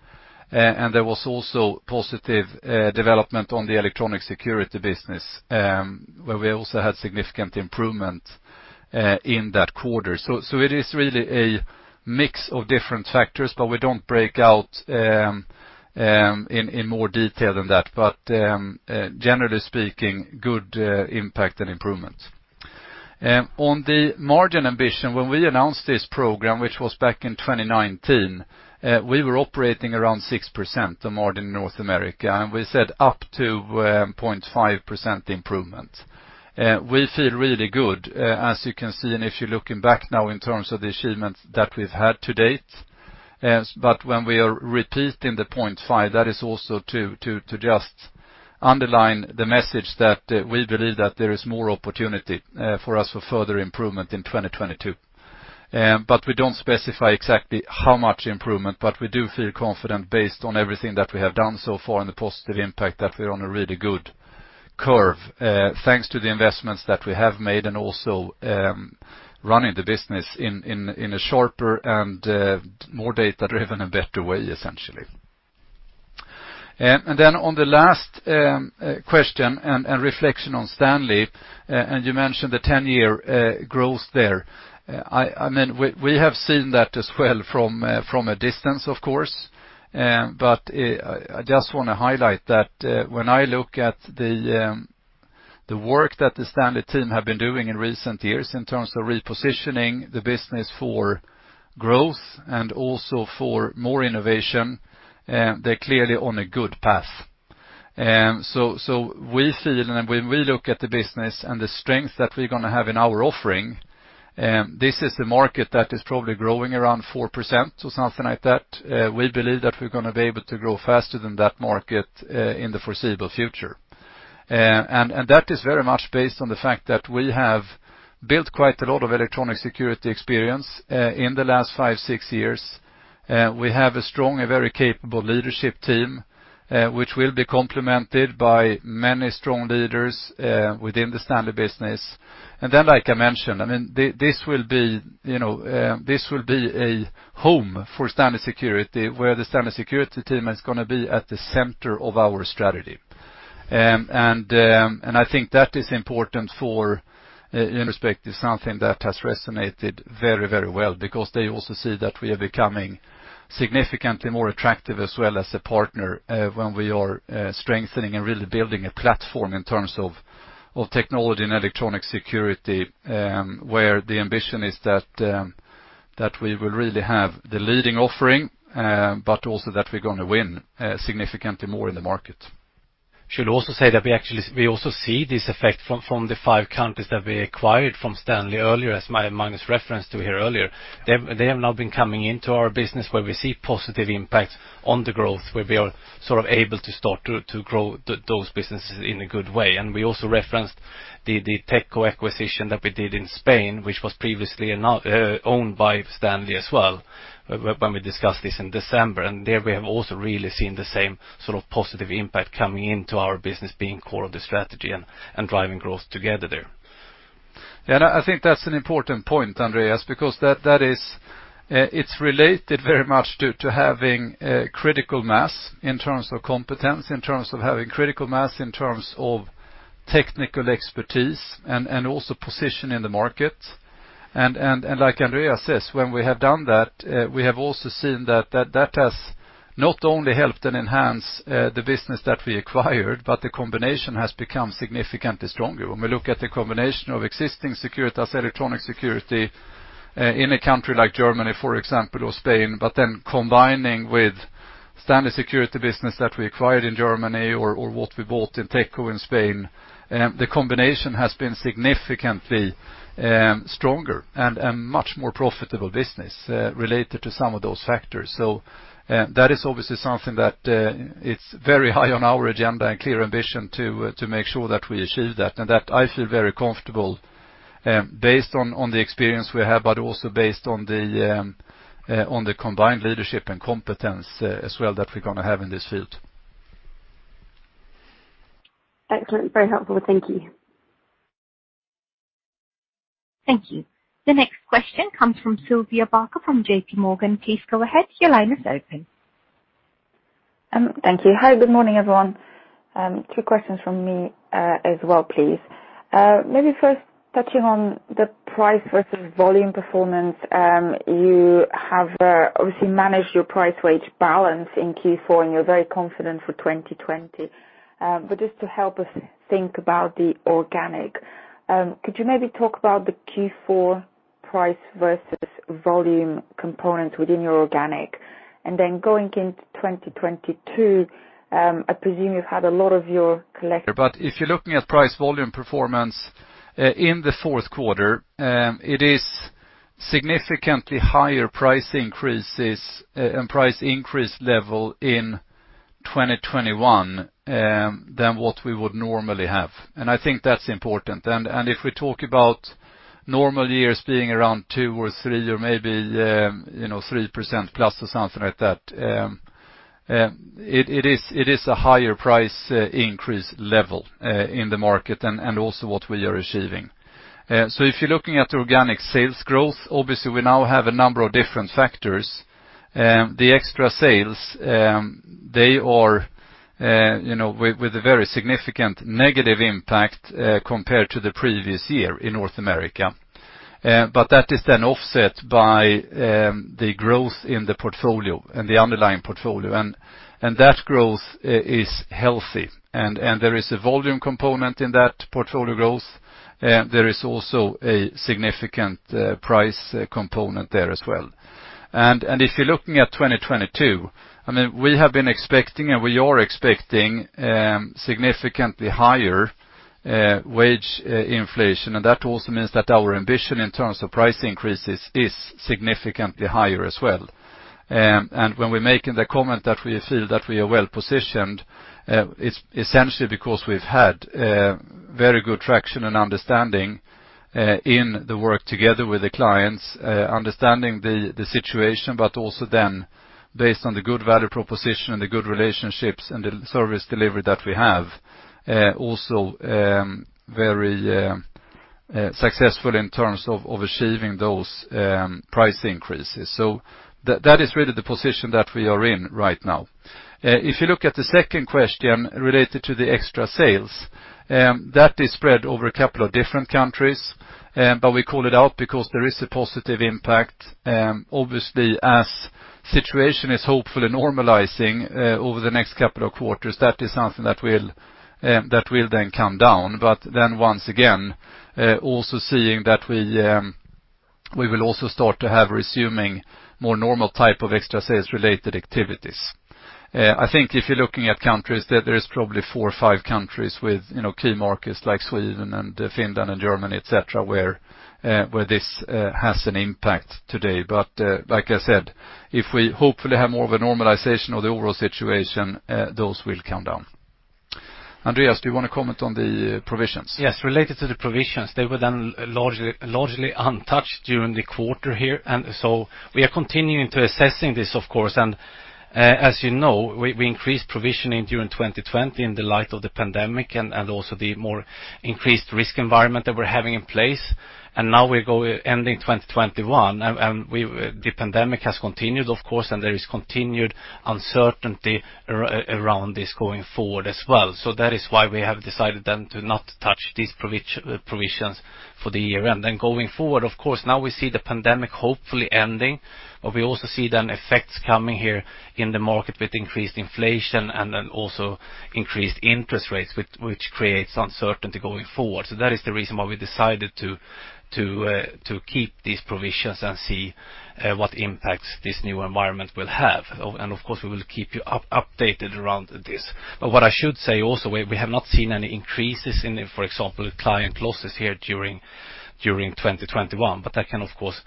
There was also positive development on the electronic security business, where we also had significant improvement in that quarter. It is really a mix of different factors, but we don't break out in more detail than that. Generally speaking, good impact and improvement on the margin ambition, when we announced this program, which was back in 2019, we were operating around 6% on margin in North America, and we said up to 0.5% improvement. We feel really good, as you can see, and if you're looking back now in terms of the achievements that we've had to date, but when we are repeating the 0.5, that is also to just underline the message that we believe that there is more opportunity for us for further improvement in 2022. We don't specify exactly how much improvement, but we do feel confident based on everything that we have done so far and the positive impact that we're on a really good curve, thanks to the investments that we have made and also running the business in a sharper and more data-driven and better way, essentially. On the last question and reflection on Stanley, and you mentioned the 10-year growth there. I mean, we have seen that as well from a distance, of course. I just want to highlight that when I look at the work that the Stanley team have been doing in recent years in terms of repositioning the business for growth and also for more innovation, they're clearly on a good path. We feel, and when we look at the business and the strength that we're gonna have in our offering, this is the market that is probably growing around 4% or something like that. We believe that we're gonna be able to grow faster than that market in the foreseeable future. That is very much based on the fact that we have built quite a lot of electronic security experience in the last five, six years. We have a strong and very capable leadership team, which will be complemented by many strong leaders within the Stanley Security business. Then, like I mentioned, I mean, this will be, you know, a home for Stanley Security, where the Stanley Security team is gonna be at the center of our strategy. I think that, in that respect, is something that has resonated very, very well because they also see that we are becoming significantly more attractive as well as a partner when we are strengthening and really building a platform in terms of technology and electronic security, where the ambition is that we will really have the leading offering, but also that we're gonna win significantly more in the market. Should also say that we actually we also see this effect from the five countries that we acquired from Stanley earlier, as Magnus referenced here earlier. They have now been coming into our business where we see positive impacts on the growth, where we are sort of able to start to grow those businesses in a good way. We also referenced the Techco acquisition that we did in Spain, which was previously owned by Stanley as well, when we discussed this in December. There we have also really seen the same sort of positive impact coming into our business being core of the strategy and driving growth together there. Yeah, I think that's an important point, Andreas, because that is it's related very much to having critical mass in terms of competence, in terms of having critical mass in terms of technical expertise and also position in the market. Like Andreas says, when we have done that, we have also seen that that has not only helped and enhanced the business that we acquired, but the combination has become significantly stronger. When we look at the combination of existing Securitas electronic security in a country like Germany, for example, or Spain, but then combining with Stanley Security business that we acquired in Germany or what we bought in Techco in Spain, the combination has been significantly stronger and much more profitable business related to some of those factors. That is obviously something that it's very high on our agenda and clear ambition to make sure that we achieve that, and that I feel very comfortable based on the experience we have, but also based on the combined leadership and competence as well that we're gonna have in this field. Excellent. Very helpful. Thank you. Thank you. The next question comes from Sylvia Barker from JPMorgan. Please go ahead. Your line is open. Thank you. Hi, good morning, everyone. Two questions from me as well, please. Maybe first touching on the price versus volume performance. You have obviously managed your price wage balance in Q4, and you're very confident for 2020. Just to help us think about the organic, could you maybe talk about the Q4 price versus volume components within your organic? Then going into 2022, I presume you've had a lot of your collect- If you're looking at price volume performance in the fourth quarter, it is significantly higher price increases and price increase level in 2021 than what we would normally have. I think that's important. If we talk about normal years being around two or three or maybe, you know, 3% plus or something like that, it is a higher price increase level in the market and also what we are achieving. If you're looking at organic sales growth, obviously we now have a number of different factors. The extra sales they are you know with a very significant negative impact compared to the previous year in North America. That is then offset by the growth in the portfolio, in the underlying portfolio. That growth is healthy. There is a volume component in that portfolio growth. There is also a significant price component there as well. If you're looking at 2022, I mean, we have been expecting and we are expecting significantly higher wage inflation. That also means that our ambition in terms of price increases is significantly higher as well. When we're making the comment that we feel that we are well-positioned, it's essentially because we've had very good traction and understanding in the work together with the clients, understanding the situation, but also then based on the good value proposition and the good relationships and the service delivery that we have, also very successful in terms of achieving those price increases. That is really the position that we are in right now. If you look at the second question related to the extra sales, that is spread over a couple of different countries, but we call it out because there is a positive impact. Obviously, as the situation is hopefully normalizing over the next couple of quarters, that is something that will then come down. Once again, also seeing that we will also start to resume more normal type of extra sales related activities. I think if you're looking at countries, there is probably four or five countries with, you know, key markets like Sweden and Finland and Germany, et cetera, where this has an impact today. Like I said, if we hopefully have more of a normalization of the overall situation, those will come down. Andreas, do you wanna comment on the provisions? Yes. Related to the provisions, they were then largely untouched during the quarter here. We are continuing to assessing this, of course. As you know, we increased provisioning during 2020 in the light of the pandemic and also the more increased risk environment that we're having in place. Now we go ending 2021, the pandemic has continued, of course, and there is continued uncertainty around this going forward as well. That is why we have decided then to not touch these provisions for the year. Then going forward, of course, now we see the pandemic hopefully ending, but we also see then effects coming here in the market with increased inflation and then also increased interest rates, which creates uncertainty going forward. That is the reason why we decided to keep these provisions and see what impacts this new environment will have. Of course, we will keep you updated around this. What I should say also, we have not seen any increases in, for example, client losses here during 2021, but that can of course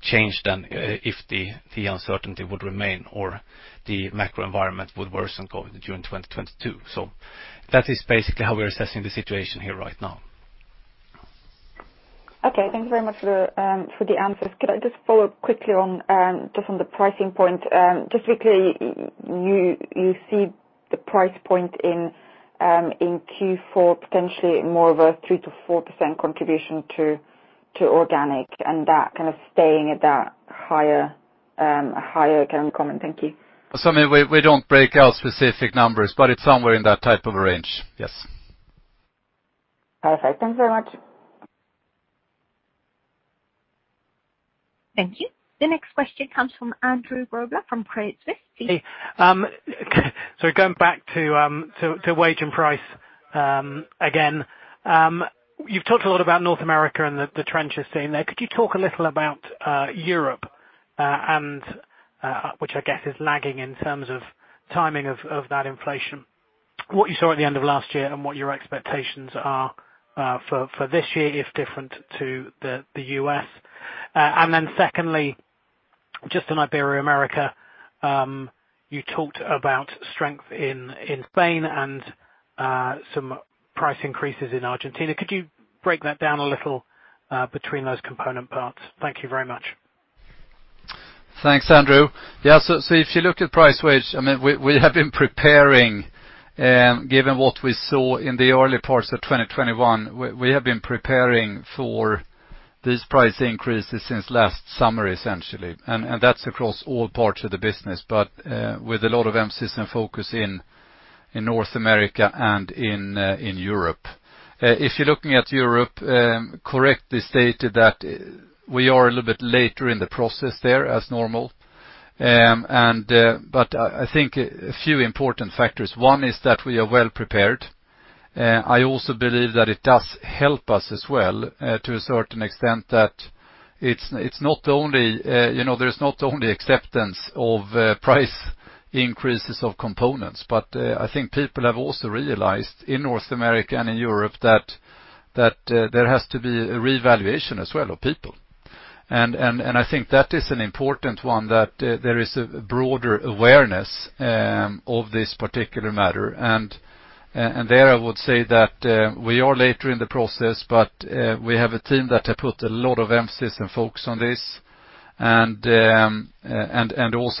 change then if the uncertainty would remain or the macro environment would worsen during 2022. That is basically how we're assessing the situation here right now. Okay, thank you very much for the answers. Could I just follow up quickly on the pricing point? You see the price point in Q4 potentially more of a 3%-4% contribution to organic, and that kind of staying at that higher kind of comment. Thank you. Sylvia, we don't break out specific numbers, but it's somewhere in that type of a range. Yes. Perfect. Thank you very much. Thank you. The next question comes from Andrew Roberts from Credit Suisse. Hey. Going back to wages and prices, again, you've talked a lot about North America and the trends seen there. Could you talk a little about Europe, and which I guess is lagging in terms of timing of that inflation? What you saw at the end of last year and what your expectations are for this year, if different to the U.S. Then secondly, just on Ibero-America, you talked about strength in Spain and some price increases in Argentina. Could you break that down a little between those component parts? Thank you very much. Thanks, Andrew. Yeah, so if you look at price wage, I mean, given what we saw in the early parts of 2021, we have been preparing for these price increases since last summer, essentially. That's across all parts of the business, but with a lot of emphasis and focus in North America and in Europe. If you're looking at Europe, as correctly stated, that we are a little bit later in the process there, as normal. I think a few important factors. One is that we are well prepared. I also believe that it does help us as well, to a certain extent that it's not only, you know, there's not only acceptance of price increases of components, but I think people have also realized in North America and in Europe that there has to be a revaluation as well of people. I think that is an important one, that there is a broader awareness of this particular matter. There I would say that we are later in the process, but we have a team that have put a lot of emphasis and focus on this, also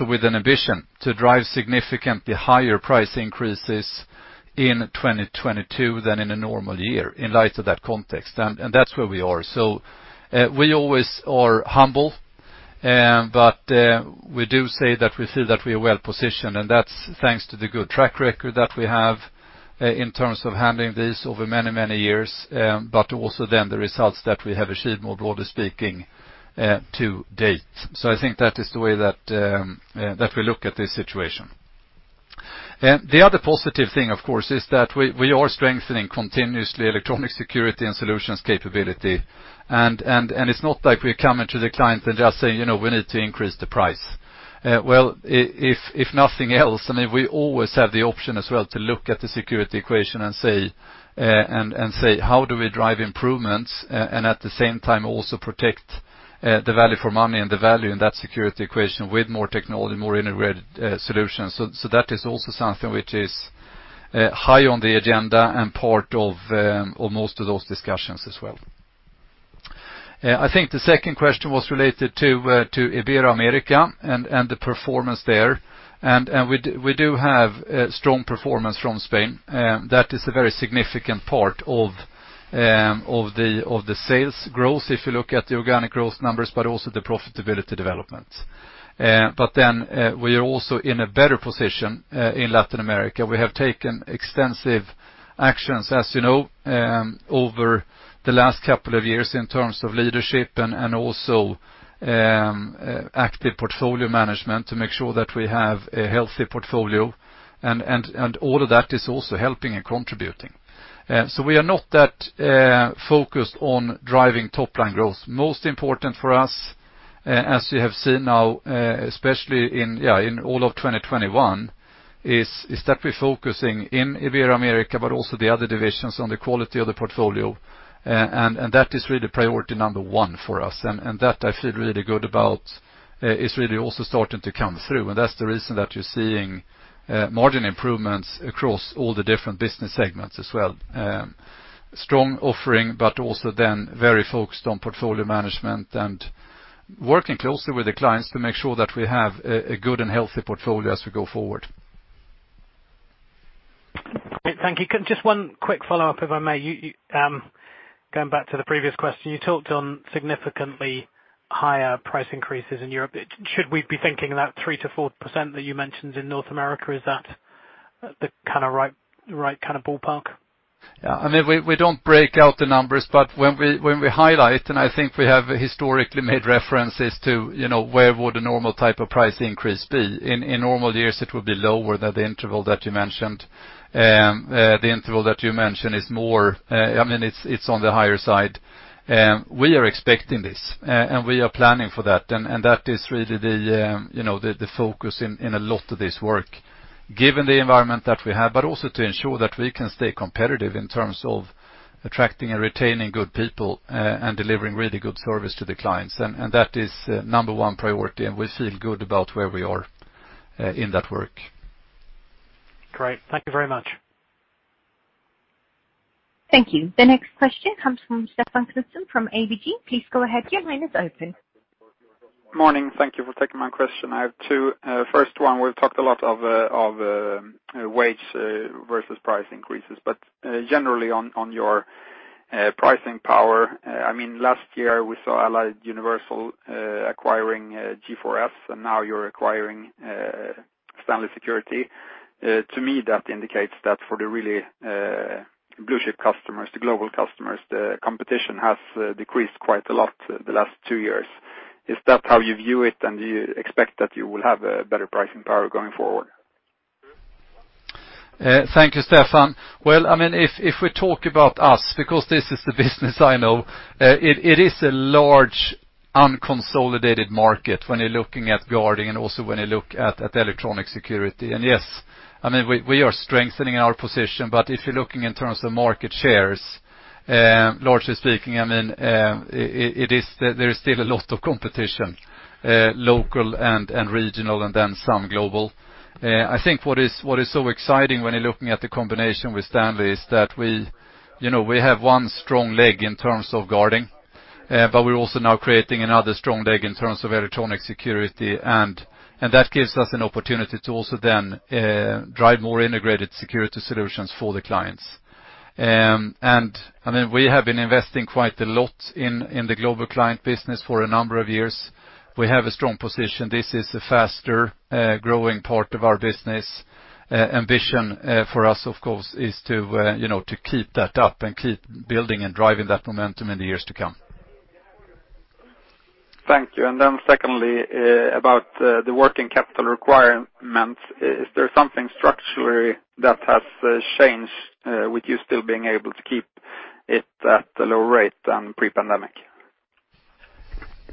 with an ambition to drive significantly higher price increases in 2022 than in a normal year, in light of that context. That's where we are. We always are humble, but we do say that we feel that we are well positioned, and that's thanks to the good track record that we have in terms of handling this over many, many years, but also then the results that we have achieved, more broadly speaking, to date. I think that is the way that we look at this situation. The other positive thing, of course, is that we are strengthening continuously electronic security and solutions capability. It's not like we're coming to the client and just saying, "You know, we need to increase the price." Well, if nothing else, I mean, we always have the option as well to look at the security equation and say, "How do we drive improvements, and at the same time also protect the value for money and the value in that security equation with more technology, more integrated solutions?" That is also something which is high on the agenda and part of most of those discussions as well. I think the second question was related to Ibero-America and the performance there. We do have strong performance from Spain. That is a very significant part of the sales growth, if you look at the organic growth numbers, but also the profitability development. We are also in a better position in Latin America. We have taken extensive actions, as you know, over the last couple of years in terms of leadership and also active portfolio management to make sure that we have a healthy portfolio. All of that is also helping and contributing. We are not that focused on driving top line growth. Most important for us, as you have seen now, especially in all of 2021, is that we're focusing in Ibero-America, but also the other divisions on the quality of the portfolio. That is really priority number one for us. That I feel really good about is really also starting to come through, and that's the reason that you're seeing margin improvements across all the different business segments as well. Strong offering, but also then very focused on portfolio management and working closely with the clients to make sure that we have a good and healthy portfolio as we go forward. Great. Thank you. Just one quick follow-up, if I may. You going back to the previous question, you talked on significantly higher price increases in Europe. Should we be thinking that 3%-4% that you mentioned in North America is that the kinda right kinda ballpark? Yeah. I mean, we don't break out the numbers, but when we highlight, and I think we have historically made references to, you know, where would a normal type of price increase be? In normal years, it would be lower than the interval that you mentioned. The interval that you mentioned is more. I mean, it's on the higher side. We are expecting this, and we are planning for that. That is really the you know the focus in a lot of this work, given the environment that we have, but also to ensure that we can stay competitive in terms of attracting and retaining good people, and delivering really good service to the clients. That is number one priority, and we feel good about where we are in that work. Great. Thank you very much. Thank you. The next question comes from Stefan Knutsson from ABG. Please go ahead, your line is open. Morning. Thank you for taking my question. I have two. First one, we've talked a lot of wage versus price increases. Generally on your pricing power, I mean, last year we saw Allied Universal acquiring G4S, and now you're acquiring Stanley Security. To me, that indicates that for the really blue chip customers, the global customers, the competition has decreased quite a lot the last two years. Is that how you view it, and do you expect that you will have a better pricing power going forward? Thank you, Stefan. Well, I mean, if we talk about us, because this is the business I know, it is a large unconsolidated market when you're looking at guarding and also when you look at electronic security. Yes, I mean, we are strengthening our position, but if you're looking in terms of market shares, largely speaking, I mean, it is. There is still a lot of competition, local and regional and then some global. I think what is so exciting when you're looking at the combination with Stanley is that we, you know, we have one strong leg in terms of guarding, but we're also now creating another strong leg in terms of electronic security. That gives us an opportunity to also then drive more integrated security solutions for the clients. I mean, we have been investing quite a lot in the global client business for a number of years. We have a strong position. This is a faster growing part of our business. Ambition for us, of course, is to you know, to keep that up and keep building and driving that momentum in the years to come. Thank you. Secondly, about the working capital requirement. Is there something structurally that has changed with you still being able to keep it at a lower rate than pre-pandemic?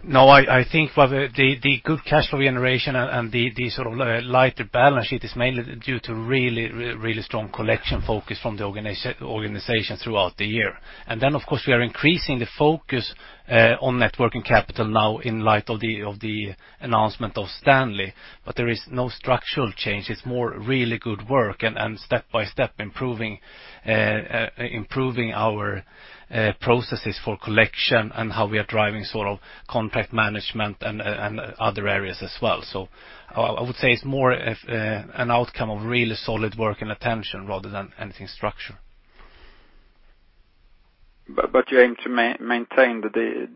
No, I think the good cash flow generation and the sort of lighter balance sheet is mainly due to really strong collection focus from the organization throughout the year. Of course, we are increasing the focus on net working capital now in light of the announcement of Stanley. There is no structural change. It's more really good work and step-by-step improving our processes for collection and how we are driving sort of contract management and other areas as well. I would say it's more an outcome of really solid work and attention rather than anything structural. You aim to maintain the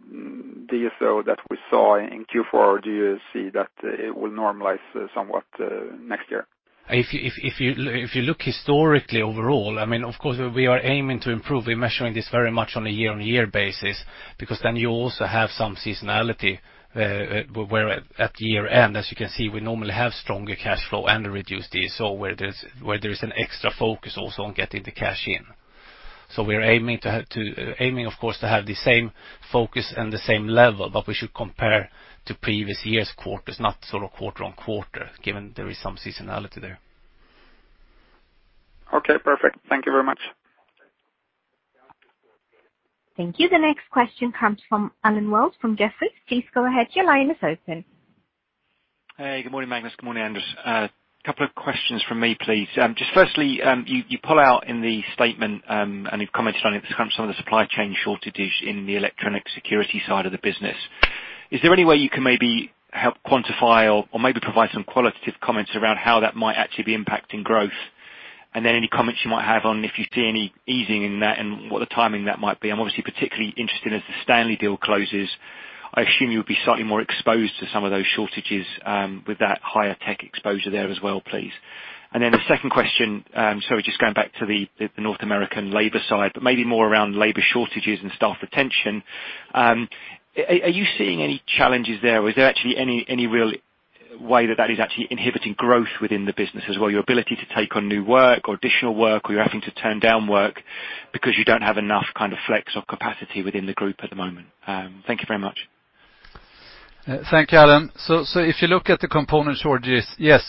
DSO that we saw in Q4? Or do you see that it will normalize somewhat next year? If you look historically overall, I mean, of course we are aiming to improve. We're measuring this very much on a year-on-year basis because then you also have some seasonality, where at year-end, as you can see, we normally have stronger cash flow and a reduced DSO, where there is an extra focus also on getting the cash in. We are aiming, of course, to have the same focus and the same level, but we should compare to previous year's quarters, not sort of quarter-on-quarter, given there is some seasonality there. Okay, perfect. Thank you very much. Thank you. The next question comes from Allen Wells from Jefferies. Please go ahead, your line is open. Hey, good morning, Magnus. Good morning, Andreas. A couple of questions from me, please. Just firstly, you pull out in the statement, and you've commented on it, some of the supply chain shortages in the electronic security side of the business. Is there any way you can maybe help quantify or maybe provide some qualitative comments around how that might actually be impacting growth? Then any comments you might have on if you see any easing in that and what the timing of that might be. I'm obviously particularly interested as the Stanley deal closes. I assume you'll be slightly more exposed to some of those shortages, with that higher tech exposure there as well, please. Then the second question, just going back to the North American labor side, but maybe more around labor shortages and staff retention. Are you seeing any challenges there? Is there actually any real way that is actually inhibiting growth within the business as well, your ability to take on new work or additional work, or you're having to turn down work because you don't have enough kind of flex or capacity within the group at the moment? Thank you very much. Thank you, Allen. If you look at the component shortages, yes,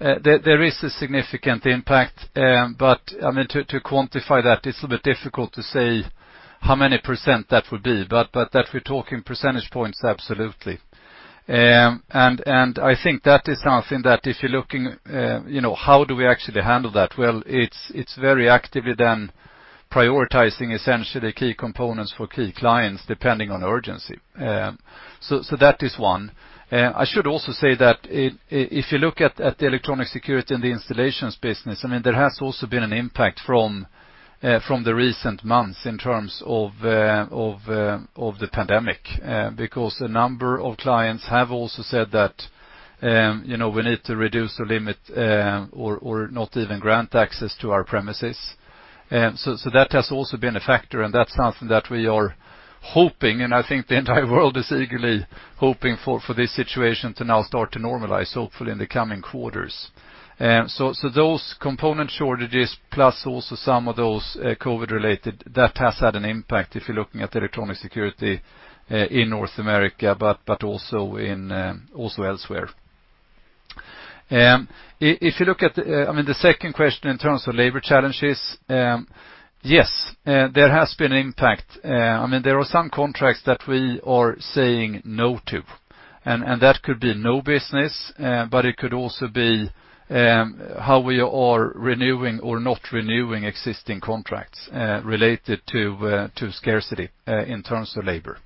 there is a significant impact. I mean, to quantify that, it's a bit difficult to say how many percent that would be, but that we're talking percentage points, absolutely. I think that is something that if you're looking, you know, how do we actually handle that? Well, it's very actively then prioritizing essentially key components for key clients, depending on urgency. That is one. I should also say that if you look at the electronic security and the installations business, I mean, there has also been an impact from the recent months in terms of of the pandemic, because a number of clients have also said that, you know, we need to reduce or limit, or not even grant access to our premises. That has also been a factor, and that's something that we are hoping, and I think the entire world is eagerly hoping for this situation to now start to normalize, hopefully in the coming quarters. Those component shortages plus also some of those COVID-related, that has had an impact if you're looking at electronic security in North America, but also elsewhere. If you look at, I mean, the second question in terms of labor challenges, yes, there has been an impact. I mean, there are some contracts that we are saying no to, and that could be no business, but it could also be, how we are renewing or not renewing existing contracts, related to scarcity in terms of labor.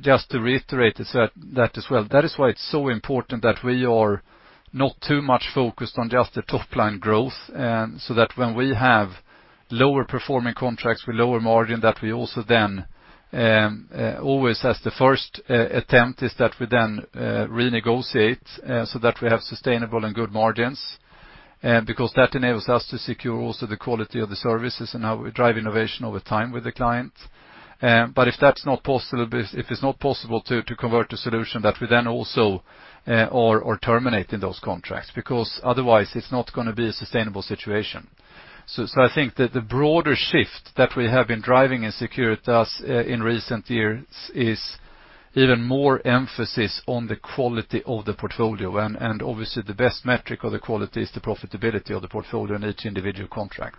Just to reiterate that as well, that is why it's so important that we are not too much focused on just the top-line growth, so that when we have lower performing contracts with lower margin, that we also then always as the first attempt is that we then renegotiate, so that we have sustainable and good margins, because that enables us to secure also the quality of the services and how we drive innovation over time with the client. If that's not possible, if it's not possible to convert the solution that we then also or terminate in those contracts, because otherwise it's not gonna be a sustainable situation. I think that the broader shift that we have been driving in Securitas in recent years is even more emphasis on the quality of the portfolio. Obviously the best metric of the quality is the profitability of the portfolio in each individual contract.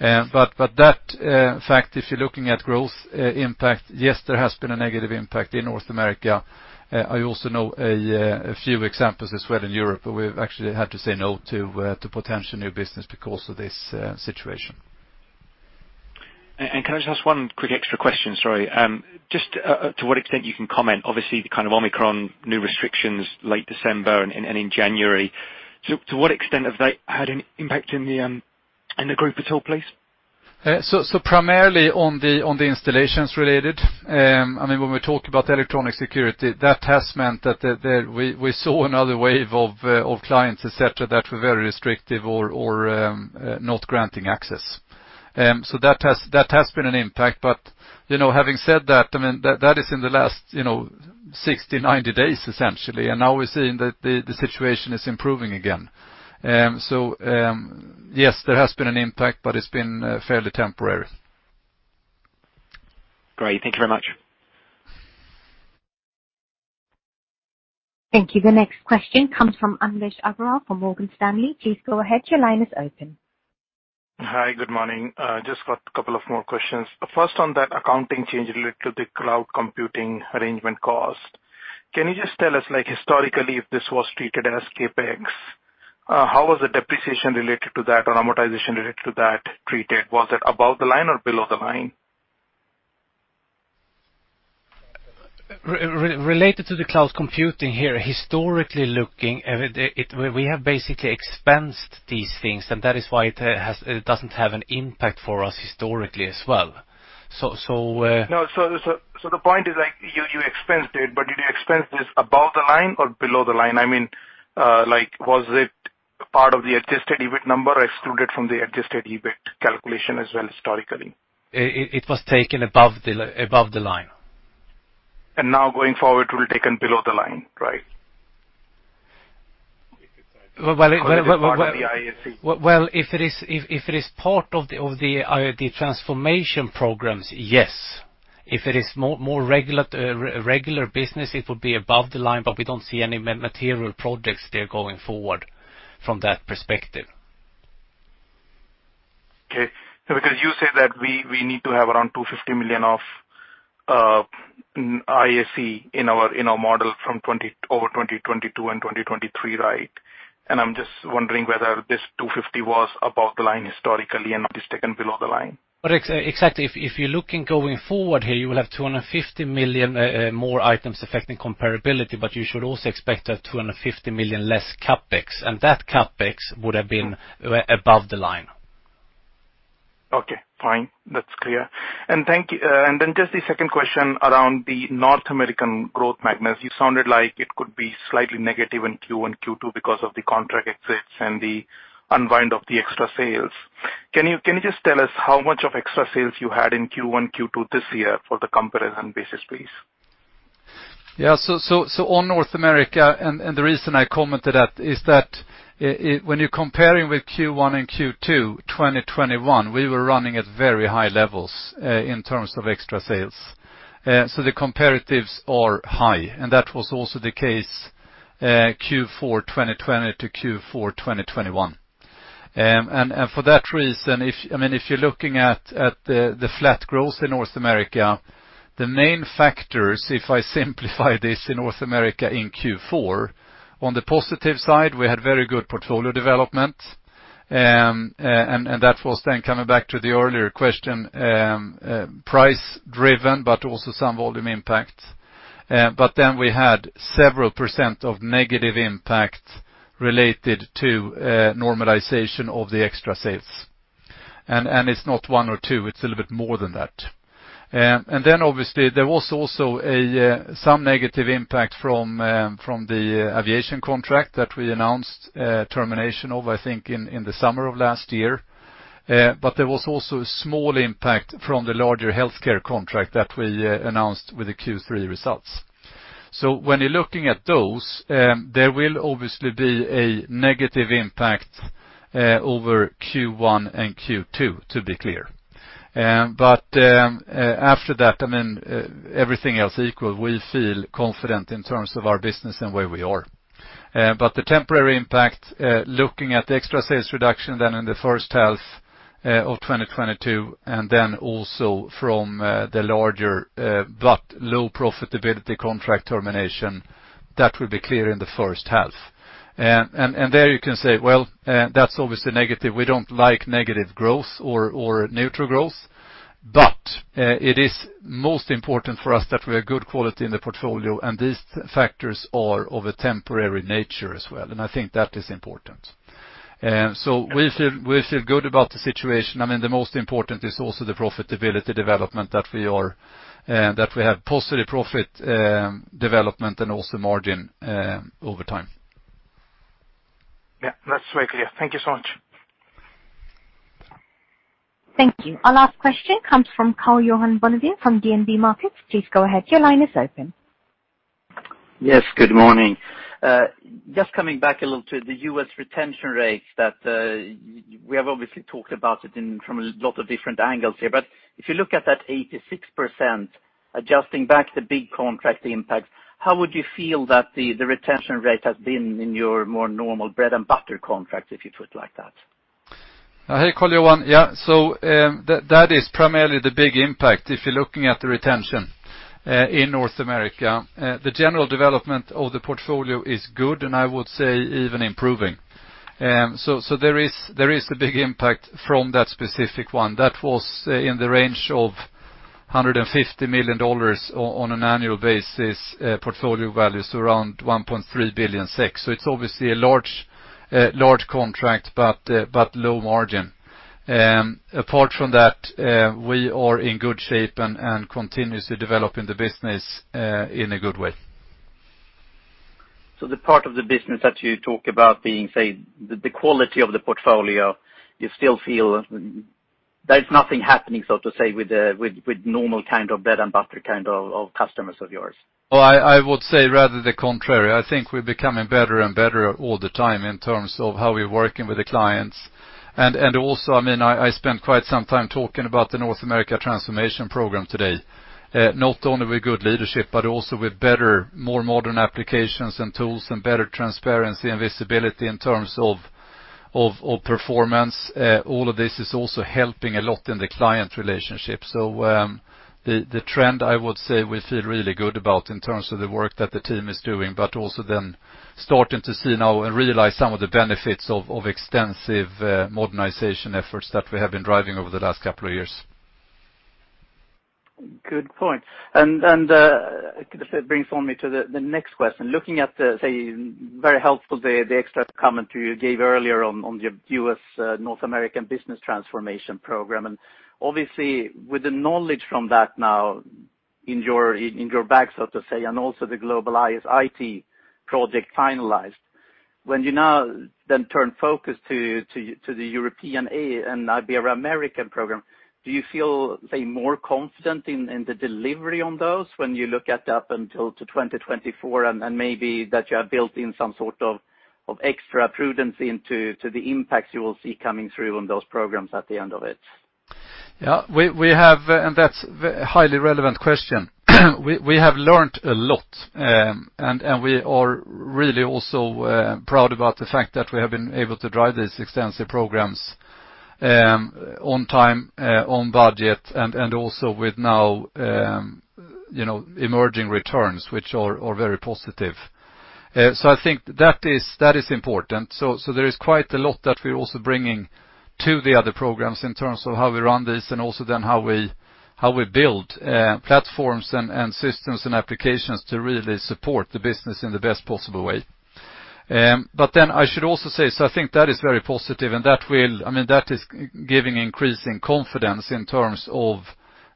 That fact, if you're looking at growth impact, yes, there has been a negative impact in North America. I also know a few examples as well in Europe where we've actually had to say no to potential new business because of this situation. Can I just ask one quick extra question? Sorry. Just to what extent you can comment, obviously the kind of Omicron new restrictions late December and in January. To what extent have they had an impact in the group at all, please? Primarily on the installations related. I mean, when we talk about electronic security, that has meant that we saw another wave of clients, et cetera, that were very restrictive or not granting access. That has been an impact. You know, having said that, I mean, that is in the last, you know, 60, 90 days, essentially. Now we're seeing that the situation is improving again. Yes, there has been an impact, but it's been fairly temporary. Great. Thank you very much. Thank you. The next question comes from Anish Aggarwal from Morgan Stanley. Please go ahead. Your line is open. Hi. Good morning. Just got a couple of more questions. First, on that accounting change related to the cloud computing arrangement cost, can you just tell us, like historically, if this was treated as CapEx, how was the depreciation related to that or amortization related to that treated? Was it above the line or below the line? Related to the cloud computing here, historically looking, we have basically expensed these things, and that is why it doesn't have an impact for us historically as well. So No. The point is, like, you expensed it, but did you expense this above the line or below the line? I mean, like, was it part of the adjusted EBIT number or excluded from the adjusted EBIT calculation as well historically? It was taken above the line. Now going forward will be taken below the line, right? Well, Is it part of the IAC? Well, if it is part of the IS/IT transformation programs, yes. If it is more regular business, it would be above the line, but we don't see any material projects there going forward from that perspective. Okay. Because you said that we need to have around 250 million of IAC in our model from 2022 and 2023, right? I'm just wondering whether this 250 million was above the line historically and now it is taken below the line. Exactly. If you're looking going forward here, you will have 250 million more items affecting comparability, but you should also expect 250 million less CapEx, and that CapEx would have been above the line. Okay, fine. That's clear. Just the second question around the North American growth Magnus. You sounded like it could be slightly negative in Q1, Q2 because of the contract exits and the unwind of the extra sales. Can you just tell us how much of extra sales you had in Q1, Q2 this year for the comparison basis, please? On North America, the reason I commented that is that when you're comparing with Q1 and Q2 2021, we were running at very high levels in terms of extra sales. The comparatives are high, and that was also the case Q4 2020 to Q4 2021. For that reason, I mean, if you're looking at the flat growth in North America, the main factors, if I simplify this in North America in Q4, on the positive side, we had very good portfolio development. That was then coming back to the earlier question, price driven, but also some volume impact. Then we had several percents of negative impact related to normalization of the extra sales. It's not one or two, it's a little bit more than that. Then obviously there was also some negative impact from the aviation contract that we announced termination of, I think, in the summer of last year. There was also a small impact from the larger healthcare contract that we announced with the Q3 results. When you're looking at those, there will obviously be a negative impact over Q1 and Q2, to be clear. After that, I mean, everything else equal, we feel confident in terms of our business and where we are. The temporary impact, looking at the extra sales reduction then in the first half of 2022, and then also from the larger, but low profitability contract termination, that will be clear in the first half. There you can say, well, that's obviously negative. We don't like negative growth or neutral growth, but it is most important for us that we have good quality in the portfolio, and these factors are of a temporary nature as well, and I think that is important. We feel good about the situation. I mean, the most important is also the profitability development that we have positive profit development and also margin over time. Yeah. That's very clear. Thank you so much. Thank you. Our last question comes from Karl-Johan Bonnevier from DNB Markets. Please go ahead. Your line is open. Yes, good morning. Just coming back a little to the U.S. retention rates that we have obviously talked about it from a lot of different angles here. If you look at that 86%, adjusting back the big contract impact, how would you feel that the retention rate has been in your more normal bread and butter contract, if you put it like that? Hey, Karl-Johan Bonnevier. Yeah. That is primarily the big impact if you're looking at the retention in North America. The general development of the portfolio is good, and I would say even improving. There is a big impact from that specific one. That was in the range of $150 million on an annual basis, portfolio values around $1.36 billion. It is obviously a large contract, but low margin. Apart from that, we are in good shape and continuously developing the business in a good way. The part of the business that you talk about being, say, the quality of the portfolio, you still feel there's nothing happening, so to speak, with normal kind of bread and butter kind of customers of yours? Well, I would say rather the contrary. I think we're becoming better and better all the time in terms of how we're working with the clients. I mean, I spent quite some time talking about the North America Business Transformation today, not only with good leadership, but also with better, more modern applications and tools and better transparency and visibility in terms of performance. All of this is also helping a lot in the client relationship. The trend I would say we feel really good about in terms of the work that the team is doing, but also then starting to see now and realize some of the benefits of extensive modernization efforts that we have been driving over the last couple of years. Good point. It brings me on to the next question. Looking at the, say, very helpful, the extra comment you gave earlier on the U.S. North America Business Transformation program. Obviously with the knowledge from that now in your bag, so to say, and also the global IS/IT project finalized. When you now then turn focus to the European and Ibero-American program, do you feel, say, more confident in the delivery on those when you look at up until 2024 and maybe that you have built in some sort of extra prudence into the impacts you will see coming through on those programs at the end of it? Yeah. That's a highly relevant question. We have learned a lot, and we are really also proud about the fact that we have been able to drive these extensive programs on time, on budget and also with now you know emerging returns, which are very positive. I think that is important. There is quite a lot that we're also bringing to the other programs in terms of how we run this and also then how we build platforms and systems and applications to really support the business in the best possible way. I should also say, so I think that is very positive and that will, I mean, that is giving increasing confidence in terms of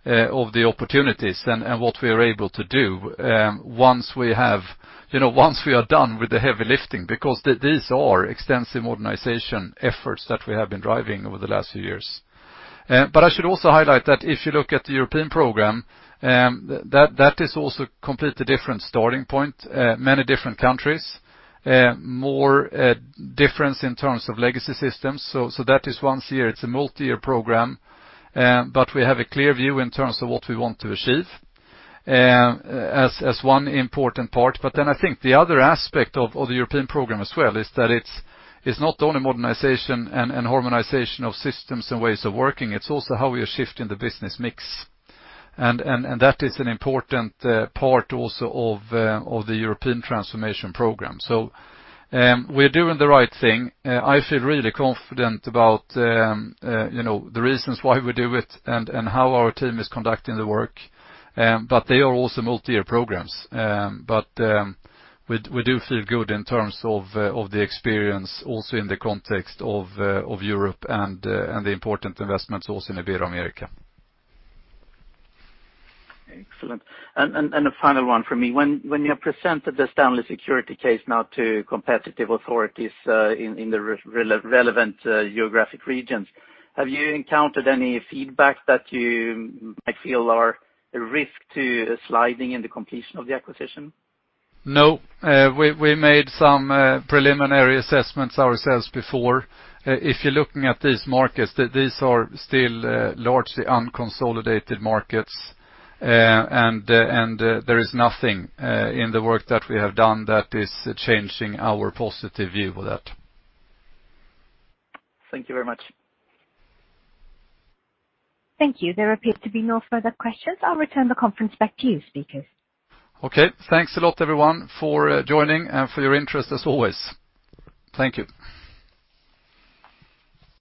the opportunities and what we are able to do, you know, once we are done with the heavy lifting, because these are extensive modernization efforts that we have been driving over the last few years. I should also highlight that if you look at the European program, that is also completely different starting point, many different countries, more difference in terms of legacy systems. That is once a year, it is a multi-year program, but we have a clear view in terms of what we want to achieve, as one important part. I think the other aspect of the European program as well is that it's not only modernization and harmonization of systems and ways of working, it's also how we are shifting the business mix. That is an important part also of the European transformation program. We're doing the right thing. I feel really confident about you know the reasons why we do it and how our team is conducting the work. They are also multi-year programs. We do feel good in terms of the experience also in the context of Europe and the important investments also in Ibero-America. Excellent. A final one from me. When you have presented the Stanley Security case now to competition authorities in the relevant geographic regions, have you encountered any feedback that you might feel are a risk to the completion of the acquisition? No. We made some preliminary assessments ourselves before. If you're looking at these markets, these are still largely unconsolidated markets. There is nothing in the work that we have done that is changing our positive view of that. Thank you very much. Thank you. There appear to be no further questions. I'll return the conference back to you, speakers. Okay. Thanks a lot, everyone, for joining and for your interest as always. Thank you.